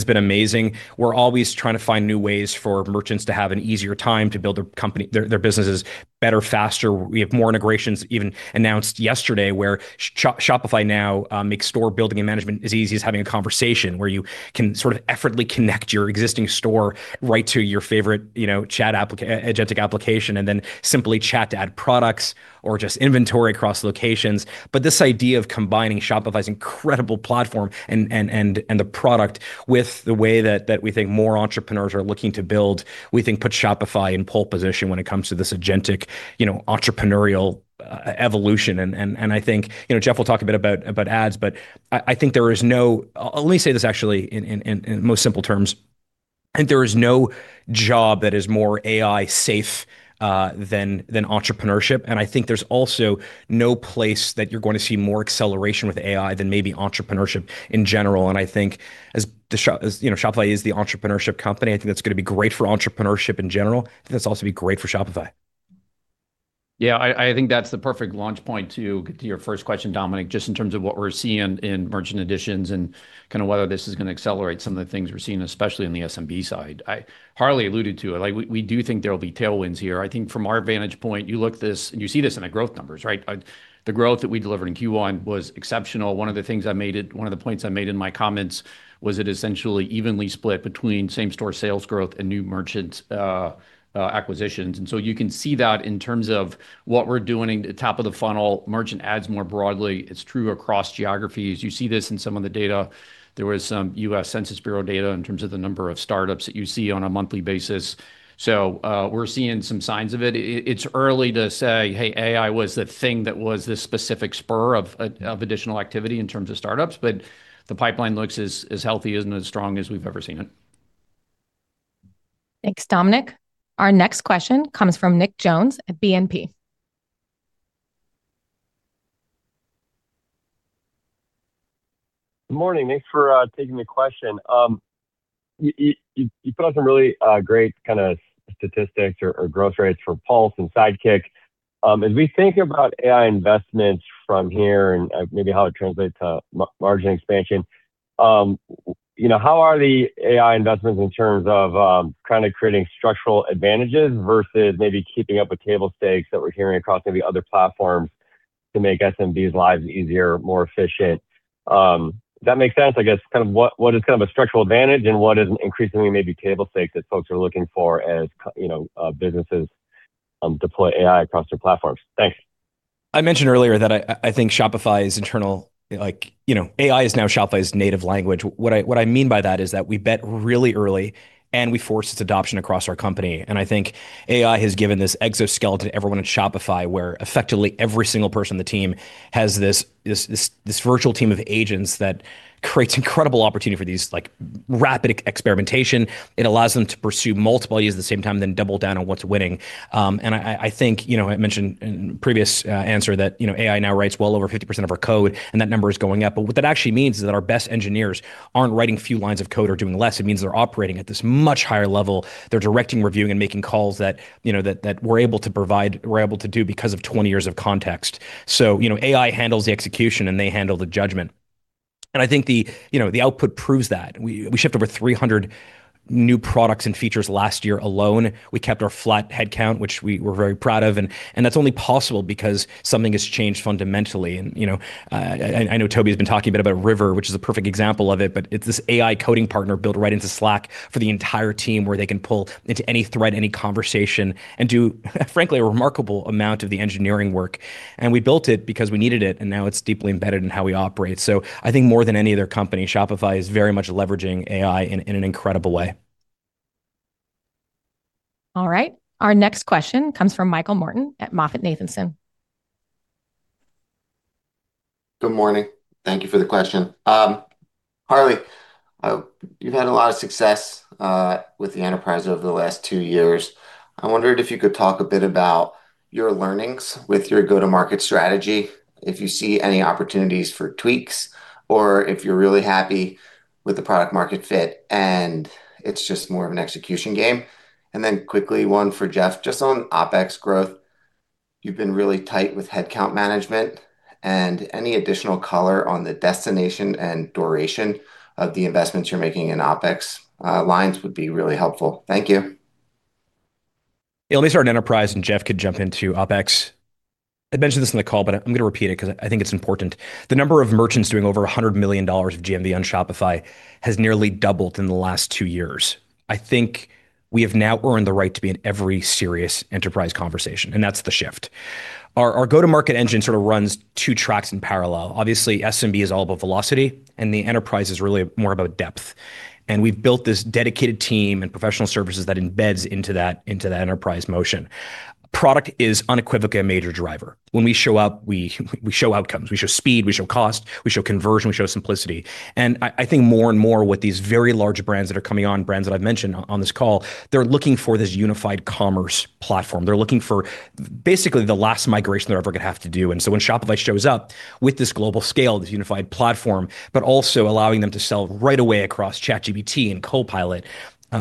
been amazing. We're always trying to find new ways for merchants to have an easier time to build their company, their businesses better, faster. We have more integrations even announced yesterday where Shopify now makes store building and management as easy as having a conversation where you can sort of effortlessly connect your existing store right to your favorite, you know, chat agentic application, and then simply chat to add products or just inventory across locations. But this idea of combining Shopify's incredible platform and the product with the way that we think more entrepreneurs are looking to build, we think puts Shopify in pole position when it comes to this agentic, you know, entrepreneurial evolution. And I think, you know, Jeff will talk a bit about ads, but let me say this actually in most simple terms, I think there is no job that is more AI safe than entrepreneurship. I think there's also no place that you're going to see more acceleration with AI than maybe entrepreneurship in general. I think as, you know, Shopify is the entrepreneurship company, I think that's gonna be great for entrepreneurship in general. I think that's also be great for Shopify. I think that's the perfect launch point to get to your first question, Dominic, just in terms of what we're seeing in merchant additions and kinda whether this is gonna accelerate some of the things we're seeing, especially on the SMB side. Harley alluded to it. Like, we do think there will be tailwinds here. I think from our vantage point, you look this, and you see this in the growth numbers, right? The growth that we delivered in Q1 was exceptional. One of the points I made in my comments was it essentially evenly split between same-store sales growth and new merchant acquisitions. So you can see that in terms of what we're doing at top of the funnel, merchant adds more broadly. It's true across geographies. You see this in some of the data. There was some U.S. Census Bureau data in terms of the number of startups that you see on a monthly basis. We're seeing some signs of it. It's early to say, "Hey, AI was the thing that was the specific spur of additional activity in terms of startups," but the pipeline looks as healthy and as strong as we've ever seen it. Thanks, Dominic. Our next question comes from Nick Jones at BNP. Good morning. Thanks for taking the question. You put out some really kind of statistics or growth rates for Pulse and Sidekick. As we think about AI investments from here and maybe how it translates to margin expansion, you know, how are the AI investments in terms of kind of creating structural advantages versus maybe keeping up with table stakes that we're hearing across maybe other platforms to make SMBs lives easier, more efficient? If that makes sense, I guess kind of what is kind of a structural advantage and what is increasingly maybe table stakes that folks are looking for as you know, businesses deploy AI across their platforms? Thanks. I mentioned earlier that I think Shopify's internal, like, you know, AI is now Shopify's native language. What I mean by that is that we bet really early, and we forced its adoption across our company. I think AI has given this exoskeleton to everyone at Shopify, where effectively every single person on the team has this virtual team of agents that creates incredible opportunity for these, like, rapid experimentation. It allows them to pursue multiple ideas at the same time, then double down on what's winning. I think, you know, I mentioned in previous answer that, you know, AI now writes well over 50% of our code, and that number is going up. What that actually means is that our best engineers aren't writing a few lines of code or doing less. It means they're operating at this much higher level. They're directing, reviewing, and making calls that, you know, that we're able to provide, we're able to do because of 20 years of context. You know, AI handles the execution, and they handle the judgment. I think the, you know, the output proves that. We shipped over 300 new products and features last year alone. We kept our flat headcount, which we were very proud of, and that's only possible because something has changed fundamentally. You know, I know Tobi's been talking a bit about River, which is a perfect example of it, but it's this AI coding partner built right into Slack for the entire team, where they can pull into any thread, any conversation and do frankly, a remarkable amount of the engineering work. We built it because we needed it, and now it's deeply embedded in how we operate. I think more than any other company, Shopify is very much leveraging AI in an incredible way. All right. Our next question comes from Michael Morton at MoffettNathanson. Good morning. Thank you for the question. Harley, you've had a lot of success with the enterprise over the last two years. I wondered if you could talk a bit about your learnings with your go-to-market strategy, if you see any opportunities for tweaks, or if you're really happy with the product market fit and it's just more of an execution game. Quickly, one for Jeff, just on OpEx growth, you've been really tight with headcount management, any additional color on the destination and duration of the investments you're making in OpEx lines would be really helpful. Thank you. Yeah, I'll start enterprise, and Jeff could jump into OpEx. I mentioned this in the call, but I'm gonna repeat it 'cause I think it's important. The number of merchants doing over $100 million of GMV on Shopify has nearly doubled in the last two years. I think we have now earned the right to be in every serious enterprise conversation, and that's the shift. Our go-to-market engine sort of runs two tracks in parallel. Obviously, SMB is all about velocity, the enterprise is really more about depth. We've built this dedicated team and professional services that embeds into that enterprise motion. Product is unequivocally a major driver. When we show up, we show outcomes, we show speed, we show cost, we show conversion, we show simplicity. I think more and more with these very large brands that are coming on, brands that I've mentioned on this call, they're looking for this unified commerce platform. They're looking for basically the last migration they're ever gonna have to do. When Shopify shows up with this global scale, this unified platform, but also allowing them to sell right away across ChatGPT and Copilot,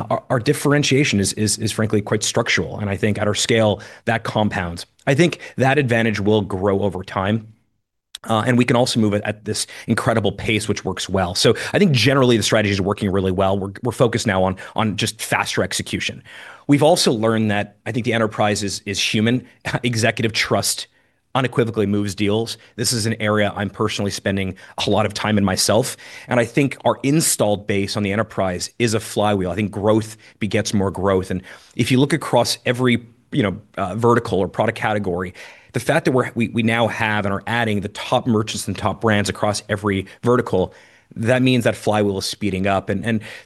our differentiation is frankly quite structural. I think at our scale, that compounds. I think that advantage will grow over time, and we can also move it at this incredible pace, which works well. I think generally the strategy's working really well. We're focused now on just faster execution. We've also learned that I think the enterprise is human. Executive trust unequivocally moves deals. This is an area I'm personally spending a lot of time in myself. I think our installed base on the enterprise is a flywheel. I think growth begets more growth. If you look across every, you know, vertical or product category, the fact that we now have and are adding the top merchants and top brands across every vertical, that means that flywheel is speeding up.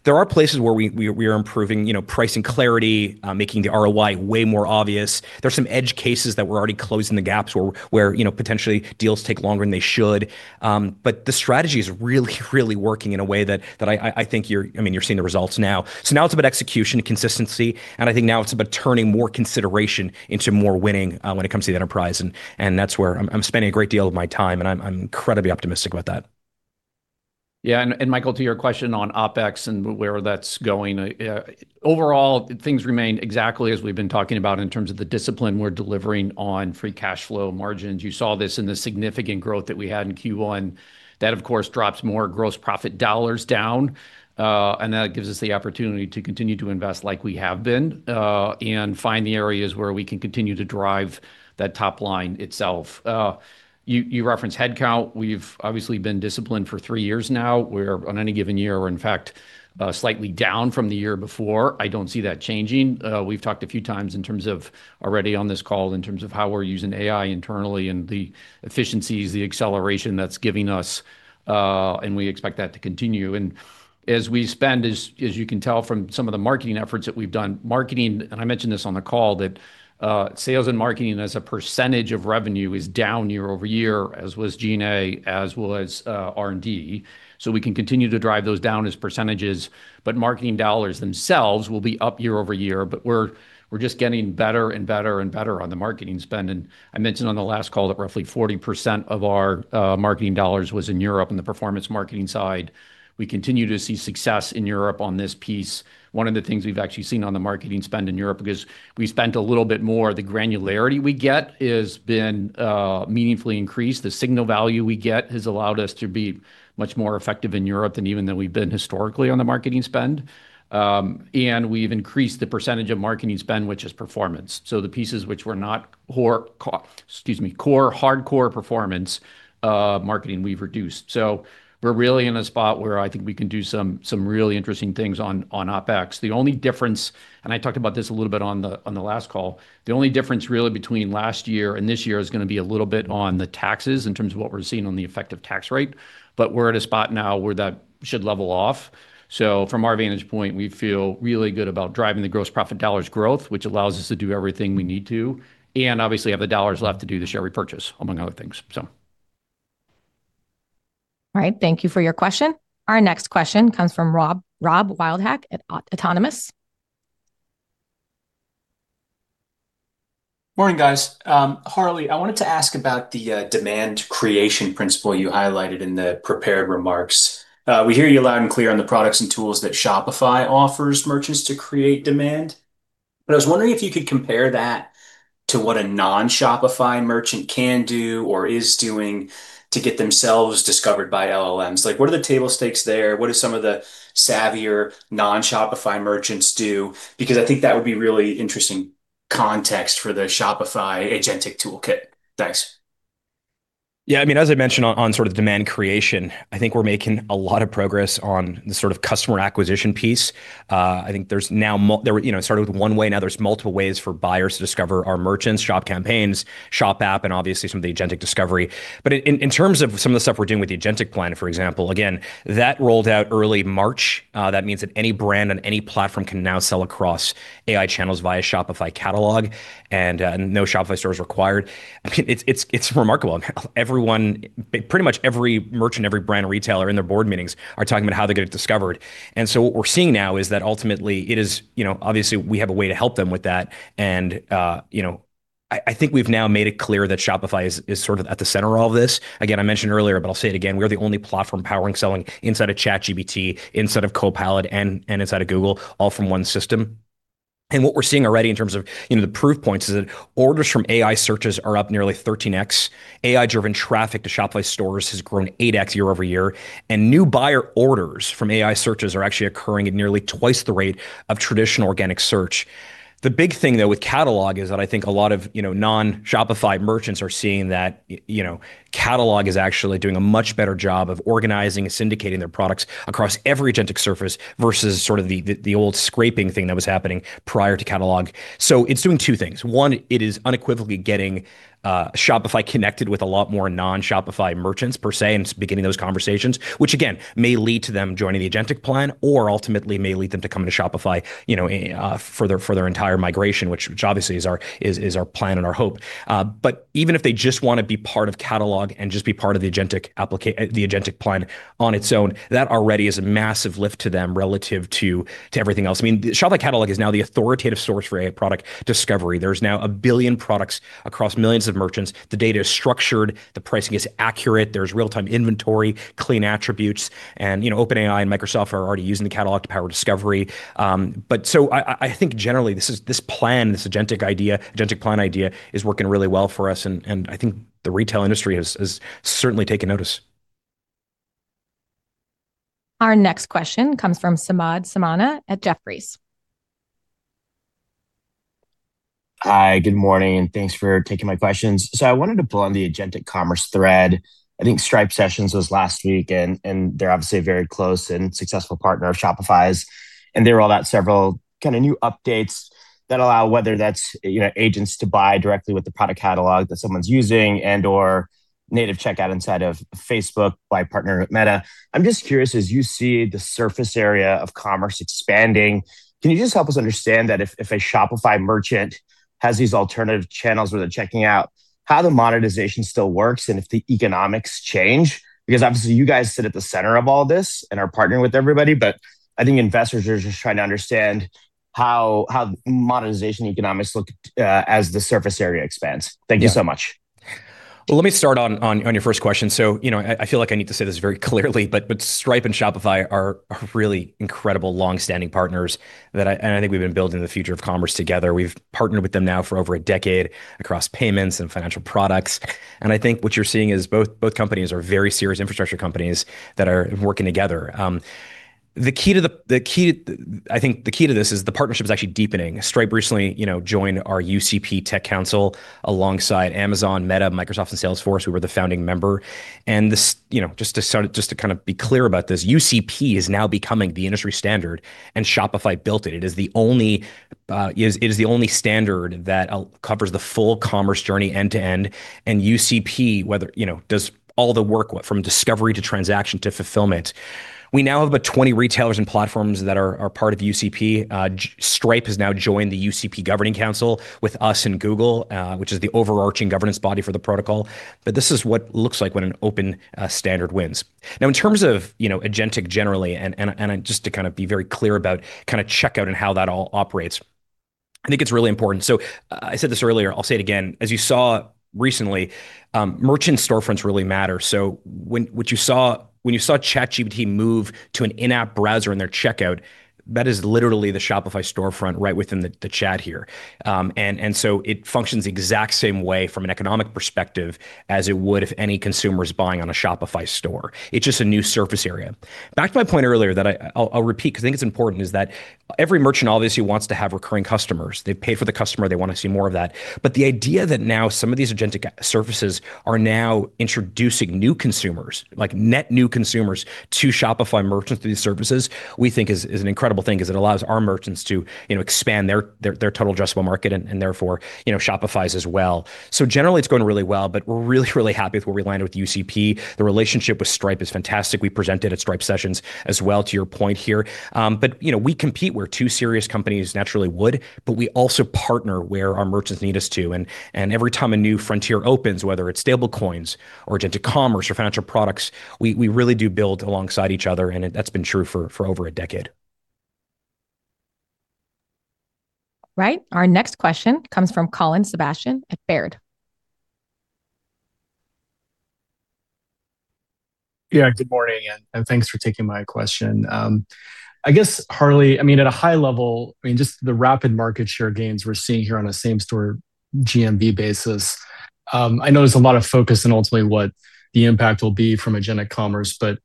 There are places where we are improving, you know, pricing clarity, making the ROI way more obvious. There's some edge cases that we're already closing the gaps where, you know, potentially deals take longer than they should. The strategy is really working in a way that I think you're I mean, you're seeing the results now. Now it's about execution and consistency, and I think now it's about turning more consideration into more winning, when it comes to the enterprise and that's where I'm spending a great deal of my time, and I'm incredibly optimistic about that. Michael, to your question on OpEx and where that's going, overall things remain exactly as we've been talking about in terms of the discipline we're delivering on free cash flow margins. You saw this in the significant growth that we had in Q1. That, of course, drops more gross profit dollars down, that gives us the opportunity to continue to invest like we have been, and find the areas where we can continue to drive that top line itself. You referenced headcount. We've obviously been disciplined for three years now, where on any given year we're in fact, slightly down from the year before. I don't see that changing. We've talked a few times in terms of already on this call in terms of how we're using AI internally and the efficiencies, the acceleration that's giving us, we expect that to continue. As we spend, as you can tell from some of the marketing efforts that we've done, marketing, and I mentioned this on the call, that sales and marketing as a percentage of revenue is down year-over-year, as was G&A, as was R&D. We can continue to drive those down as percentages, but marketing dollars themselves will be up year-over-year. We're just getting better and better and better on the marketing spend. I mentioned on the last call that roughly 40% of our marketing dollars was in Europe in the performance marketing side. We continue to see success in Europe on this piece. One of the things we've actually seen on the marketing spend in Europe, because we spent a little bit more, the granularity we get has been meaningfully increased. The signal value we get has allowed us to be much more effective in Europe than even than we've been historically on the marketing spend. We've increased the percentage of marketing spend, which is performance. The pieces which were not core, hardcore performance marketing we've reduced. We're really in a spot where I think we can do some really interesting things on OpEx. The only difference, and I talked about this a little bit on the, on the last call, the only difference really between last year and this year is going to be a little bit on the taxes in terms of what we're seeing on the effective tax rate. We're at a spot now where that should level off. From our vantage point, we feel really good about driving the gross profit dollars growth, which allows us to do everything we need to, and obviously have the US dollar left to do the share repurchase, among other things. All right. Thank you for your question. Our next question comes from Rob Wildhack at Autonomous. Morning, guys. Harley, I wanted to ask about the demand creation principle you highlighted in the prepared remarks. We hear you loud and clear on the products and tools that Shopify offers merchants to create demand, but I was wondering if you could compare that to what a non-Shopify merchant can do or is doing to get themselves discovered by LLMs. Like, what are the table stakes there? What do some of the savvier non-Shopify merchants do? Because I think that would be really interesting context for the Shopify agentic toolkit. Thanks. Yeah, I mean, as I mentioned on sort of demand creation, I think we're making a lot of progress on the sort of customer acquisition piece. I think there's now there were, you know, it started with one way, now there's multiple ways for buyers to discover our merchants, Shop Campaigns, Shop app, and obviously some of the agentic discovery. In, in terms of some of the stuff we're doing with the agentic plan, for example, again, that rolled out early March. That means that any brand on any platform can now sell across AI channels via Shopify Catalog and no Shopify stores required. I mean, it's, it's remarkable. Everyone, pretty much every merchant, every brand or retailer in their board meetings are talking about how they're gonna discover it. What we're seeing now is that ultimately it is, you know, obviously we have a way to help them with that, you know, I think we've now made it clear that Shopify is sort of at the center of all this. Again, I mentioned earlier, but I'll say it again, we are the only platform powering selling inside of ChatGPT, inside of Copilot, and inside of Google, all from one system. What we're seeing already in terms of, you know, the proof points is that orders from AI searches are up nearly 13 times. AI-driven traffic to Shopify stores has grown 8x year-over-year. New buyer orders from AI searches are actually occurring at nearly twice the rate of traditional organic search. The big thing, though, with Catalog is that I think a lot of, you know, non-Shopify merchants are seeing that you know, Catalog is actually doing a much better job of organizing and syndicating their products across every agentic surface versus sort of the old scraping thing that was happening prior to Catalog. It's doing two things. One, it is unequivocally getting Shopify connected with a lot more non-Shopify merchants per se, and beginning those conversations, which again, may lead to them joining the agentic plan or ultimately may lead them to coming to Shopify for their entire migration, which obviously is our, is our plan and our hope. Even if they just wanna be part of Catalog and just be part of the agentic plan on its own, that already is a massive lift to them relative to everything else. I mean, Shopify Catalog is now the authoritative source for AI product discovery. There's now 1 billion products across millions of merchants. The data is structured, the pricing is accurate, there's real-time inventory, clean attributes, and, you know, OpenAI and Microsoft are already using the Catalog to power discovery. I think generally this plan, this agentic plan idea is working really well for us and I think the retail industry has certainly taken notice. Our next question comes from Samad Samana at Jefferies. Hi, good morning, and thanks for taking my questions. I wanted to pull on the agentic commerce thread. I think Stripe Sessions was last week and they're obviously a very close and successful partner of Shopify's. They rolled out several kinda new updates that allow, whether that's, you know, agents to buy directly with the product catalog that someone's using and/or native checkout inside of Facebook by partnering with Meta. I'm just curious, as you see the surface area of commerce expanding, can you just help us understand that if a Shopify merchant has these alternative channels where they're checking out, how the monetization still works and if the economics change? Obviously you guys sit at the center of all this and are partnering with everybody, but I think investors are just trying to understand how monetization economics look as the surface area expands. Yeah. Thank you so much. Let me start on your first question. You know, I feel like I need to say this very clearly, Stripe and Shopify are really incredible long-standing partners and I think we've been building the future of commerce together. We've partnered with them now for over a decade across payments and financial products. I think what you're seeing is both companies are very serious infrastructure companies that are working together. The key, I think the key to this is the partnership is actually deepening. Stripe recently, you know, joined our UCP Tech Council alongside Amazon, Meta, Microsoft, and Salesforce, who were the founding member. You know, to kind of be clear about this, UCP is now becoming the industry standard, and Shopify built it. It is the only, it is the only standard that covers the full commerce journey end to end, and UCP whether, you know, does all the work from discovery to transaction to fulfillment. We now have about 20 retailers and platforms that are part of UCP. Stripe has now joined the UCP Governing Council with us and Google, which is the overarching governance body for the protocol. This is what looks like when an open standard wins. In terms of, you know, agentic generally, and just to kind of be very clear about kinda checkout and how that all operates, I think it's really important. I said this earlier, I'll say it again. As you saw recently, merchant storefronts really matter. When you saw ChatGPT move to an in-app browser in their checkout, that is literally the Shopify storefront right within the chat here. And it functions the exact same way from an economic perspective as it would if any consumer is buying on a Shopify store. It's just a new surface area. Back to my point earlier that I'll repeat because I think it's important, is that every merchant obviously wants to have recurring customers. They pay for the customer, they want to see more of that. The idea that now some of these agentic surfaces are now introducing new consumers, like net new consumers, to Shopify merchants through these services, we think is an incredible thing because it allows our merchants to, you know, expand their total addressable market and, therefore, you know, Shopify's as well. Generally it's going really well, but we're really happy with where we landed with UCP. The relationship with Stripe is fantastic. We presented at Stripe Sessions as well, to your point here. You know, we compete where two serious companies naturally would, but we also partner where our merchants need us to. Every time a new frontier opens, whether it's stablecoins or agentic commerce or financial products, we really do build alongside each other, and that's been true for over a decade. Right. Our next question comes from Colin Sebastian at Baird. Yeah. Good morning, and thanks for taking my question. I guess, Harley, I mean, at a high level, I mean, just the rapid market share gains we're seeing here on a same store GMV basis. I know there's a lot of focus in ultimately what the impact will be from agentic commerce, but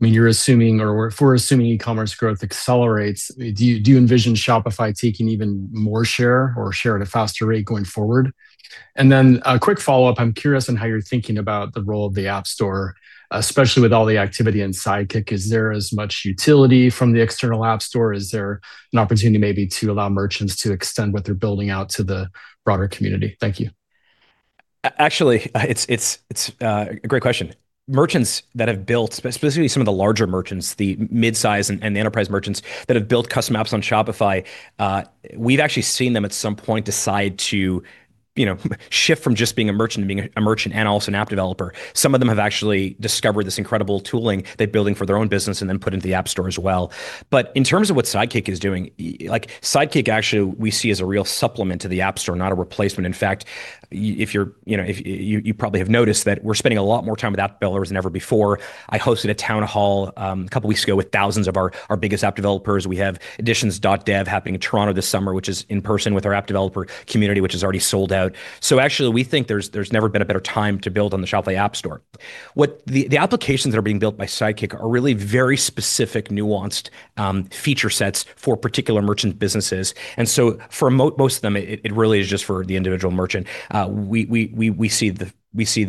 I mean, you're assuming if we're assuming e-commerce growth accelerates, do you envision Shopify taking even more share or share at a faster rate going forward? Then a quick follow-up, I'm curious on how you're thinking about the role of the App Store, especially with all the activity in Sidekick. Is there as much utility from the external App Store? Is there an opportunity maybe to allow merchants to extend what they're building out to the broader community? Thank you. Actually, a great question. Merchants that have built, specifically some of the larger merchants, the midsize and the enterprise merchants that have built custom apps on Shopify, we've actually seen them at some point decide to, you know, shift from just being a merchant to being a merchant and also an app developer. Some of them have actually discovered this incredible tooling they're building for their own business and then put into the App Store as well. In terms of what Sidekick is doing, like Sidekick actually we see as a real supplement to the App Store, not a replacement. In fact, if you're, you know, you probably have noticed that we're spending a lot more time with app builders than ever before. I hosted a town hall, a couple weeks ago with thousands of our biggest app developers. We have editions.dev happening in Toronto this summer, which is in person with our app developer community, which is already sold out. Actually, we think there's never been a better time to build on the Shopify App Store. What the applications that are being built by Sidekick are really very specific, nuanced, feature sets for particular merchant businesses, for most of them, it really is just for the individual merchant. We see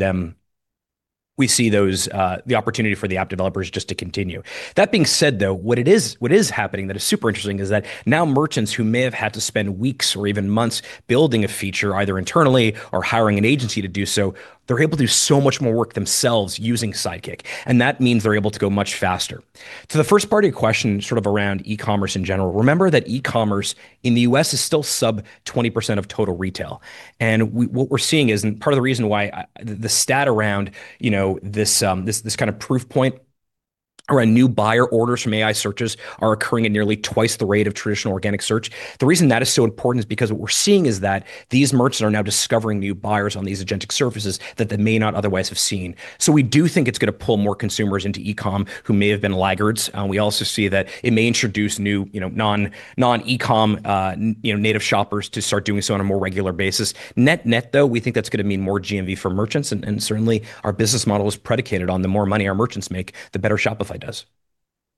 those the opportunity for the app developers just to continue. That being said, though, what is happening that is super interesting is that now merchants who may have had to spend weeks or even months building a feature either internally or hiring an agency to do so, they're able to do so much more work themselves using Sidekick. That means they're able to go much faster. To the first part of your question, sort of around e-commerce in general, remember that e-commerce in the U.S. is still sub 20% of total retail. What we're seeing is, part of the reason why, you know, this kind of proof point around new buyer orders from AI searches are occurring at nearly twice the rate of traditional organic search. The reason that is so important is because what we're seeing is that these merchants are now discovering new buyers on these agentic services that they may not otherwise have seen. We do think it's gonna pull more consumers into e-com who may have been laggards. We also see that it may introduce new, you know, non-e-com, you know, native shoppers to start doing so on a more regular basis. Net-net, though, we think that's gonna mean more GMV for merchants and certainly our business model is predicated on the more money our merchants make, the better Shopify does.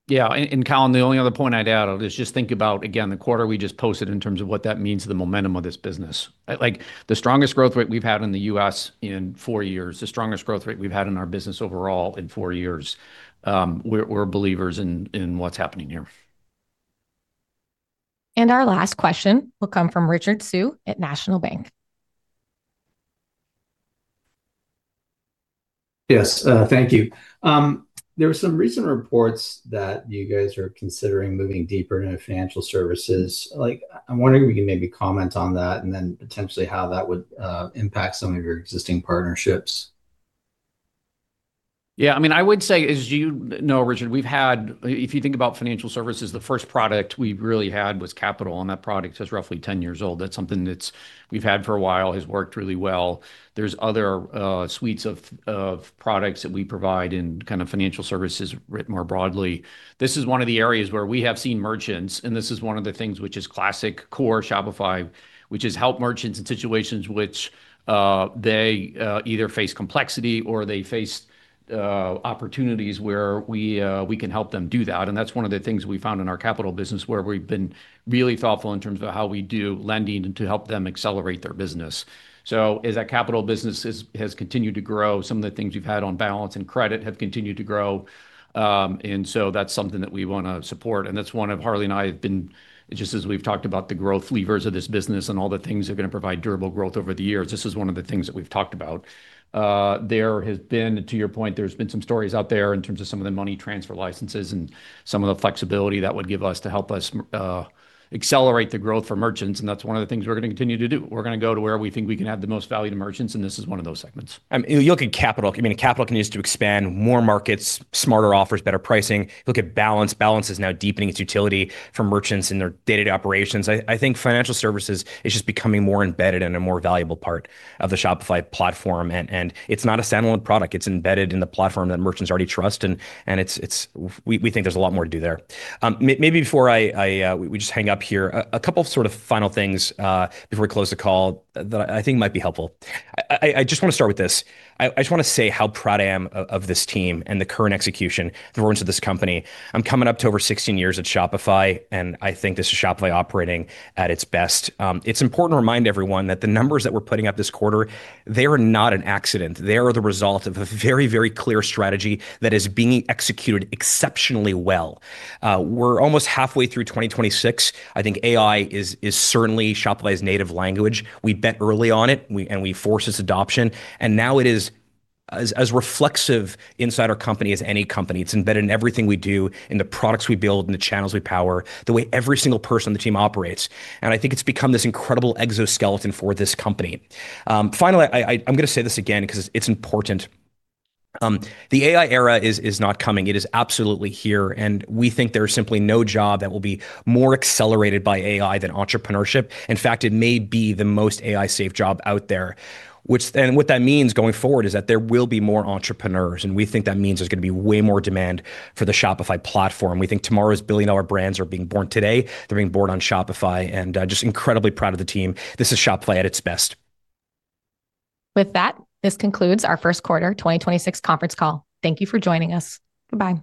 Yeah. Colin, the only other point I'd add is just think about, again, the quarter we just posted in terms of what that means to the momentum of this business. Like the strongest growth rate we've had in the U.S. in four years, the strongest growth rate we've had in our business overall in four years. We're believers in what's happening here. Our last question will come from Richard Tse at National Bank. Yes, thank you. There were some recent reports that you guys are considering moving deeper into financial services. I'm wondering if you can maybe comment on that and then potentially how that would impact some of your existing partnerships. I mean, I would say as you know, Richard, we've had, if you think about financial services, the first product we really had was Capital, that product is roughly 10 years old. That's something that's we've had for a while, has worked really well. There's other suites of products that we provide in kind of financial services written more broadly. This is one of the areas where we have seen merchants, and this is one of the things which is classic core Shopify, which is help merchants in situations which they either face complexity or they face opportunities where we can help them do that, and that's one of the things we found in our Capital business where we've been really thoughtful in terms of how we do lending and to help them accelerate their business. As that Capital business has continued to grow, some of the things we've had on balance and credit have continued to grow. That's something that we wanna support, and that's one of Harley and I have been, just as we've talked about the growth levers of this business and all the things that are gonna provide durable growth over the years, this is one of the things that we've talked about. There has been, to your point, there's been some stories out there in terms of some of the money transfer licenses and some of the flexibility that would give us to help us accelerate the growth for merchants, and that's one of the things we're gonna continue to do. We're gonna go to where we think we can add the most value to merchants, and this is one of those segments. You look at Capital, I mean, Capital continues to expand more markets, smarter offers, better pricing. Look at Balance. Balance is now deepening its utility for merchants in their day-to-day operations. I think financial services is just becoming more embedded and a more valuable part of the Shopify platform, it's not a standalone product. It's embedded in the platform that merchants already trust, and it's we think there's a lot more to do there. Maybe before I we just hang up here, a couple sort of final things before we close the call that I think might be helpful. I just wanna start with this. I just wanna say how proud I am of this team and the current execution, the roots of this company. I am coming up to over 16 years at Shopify, and I think this is Shopify operating at its best. It's important to remind everyone that the numbers that we're putting up this quarter, they are not an accident. They are the result of a very, very clear strategy that is being executed exceptionally well. We're almost halfway through 2026. I think AI is certainly Shopify's native language. We bet early on it. We force its adoption, and now it is as reflexive inside our company as any company. It's embedded in everything we do, in the products we build, in the channels we power, the way every single person on the team operates, and I think it's become this incredible exoskeleton for this company. Finally, I'm gonna say this again 'cause it's important. The AI era is not coming. It is absolutely here, and we think there is simply no job that will be more accelerated by AI than entrepreneurship. In fact, it may be the most AI-safe job out there, which then what that means going forward is that there will be more entrepreneurs, and we think that means there's gonna be way more demand for the Shopify platform. We think tomorrow's billion-dollar brands are being born today. They're being born on Shopify, and just incredibly proud of the team. This is Shopify at its best. With that, this concludes our first quarter 2026 conference call. Thank you for joining us. Bye-bye.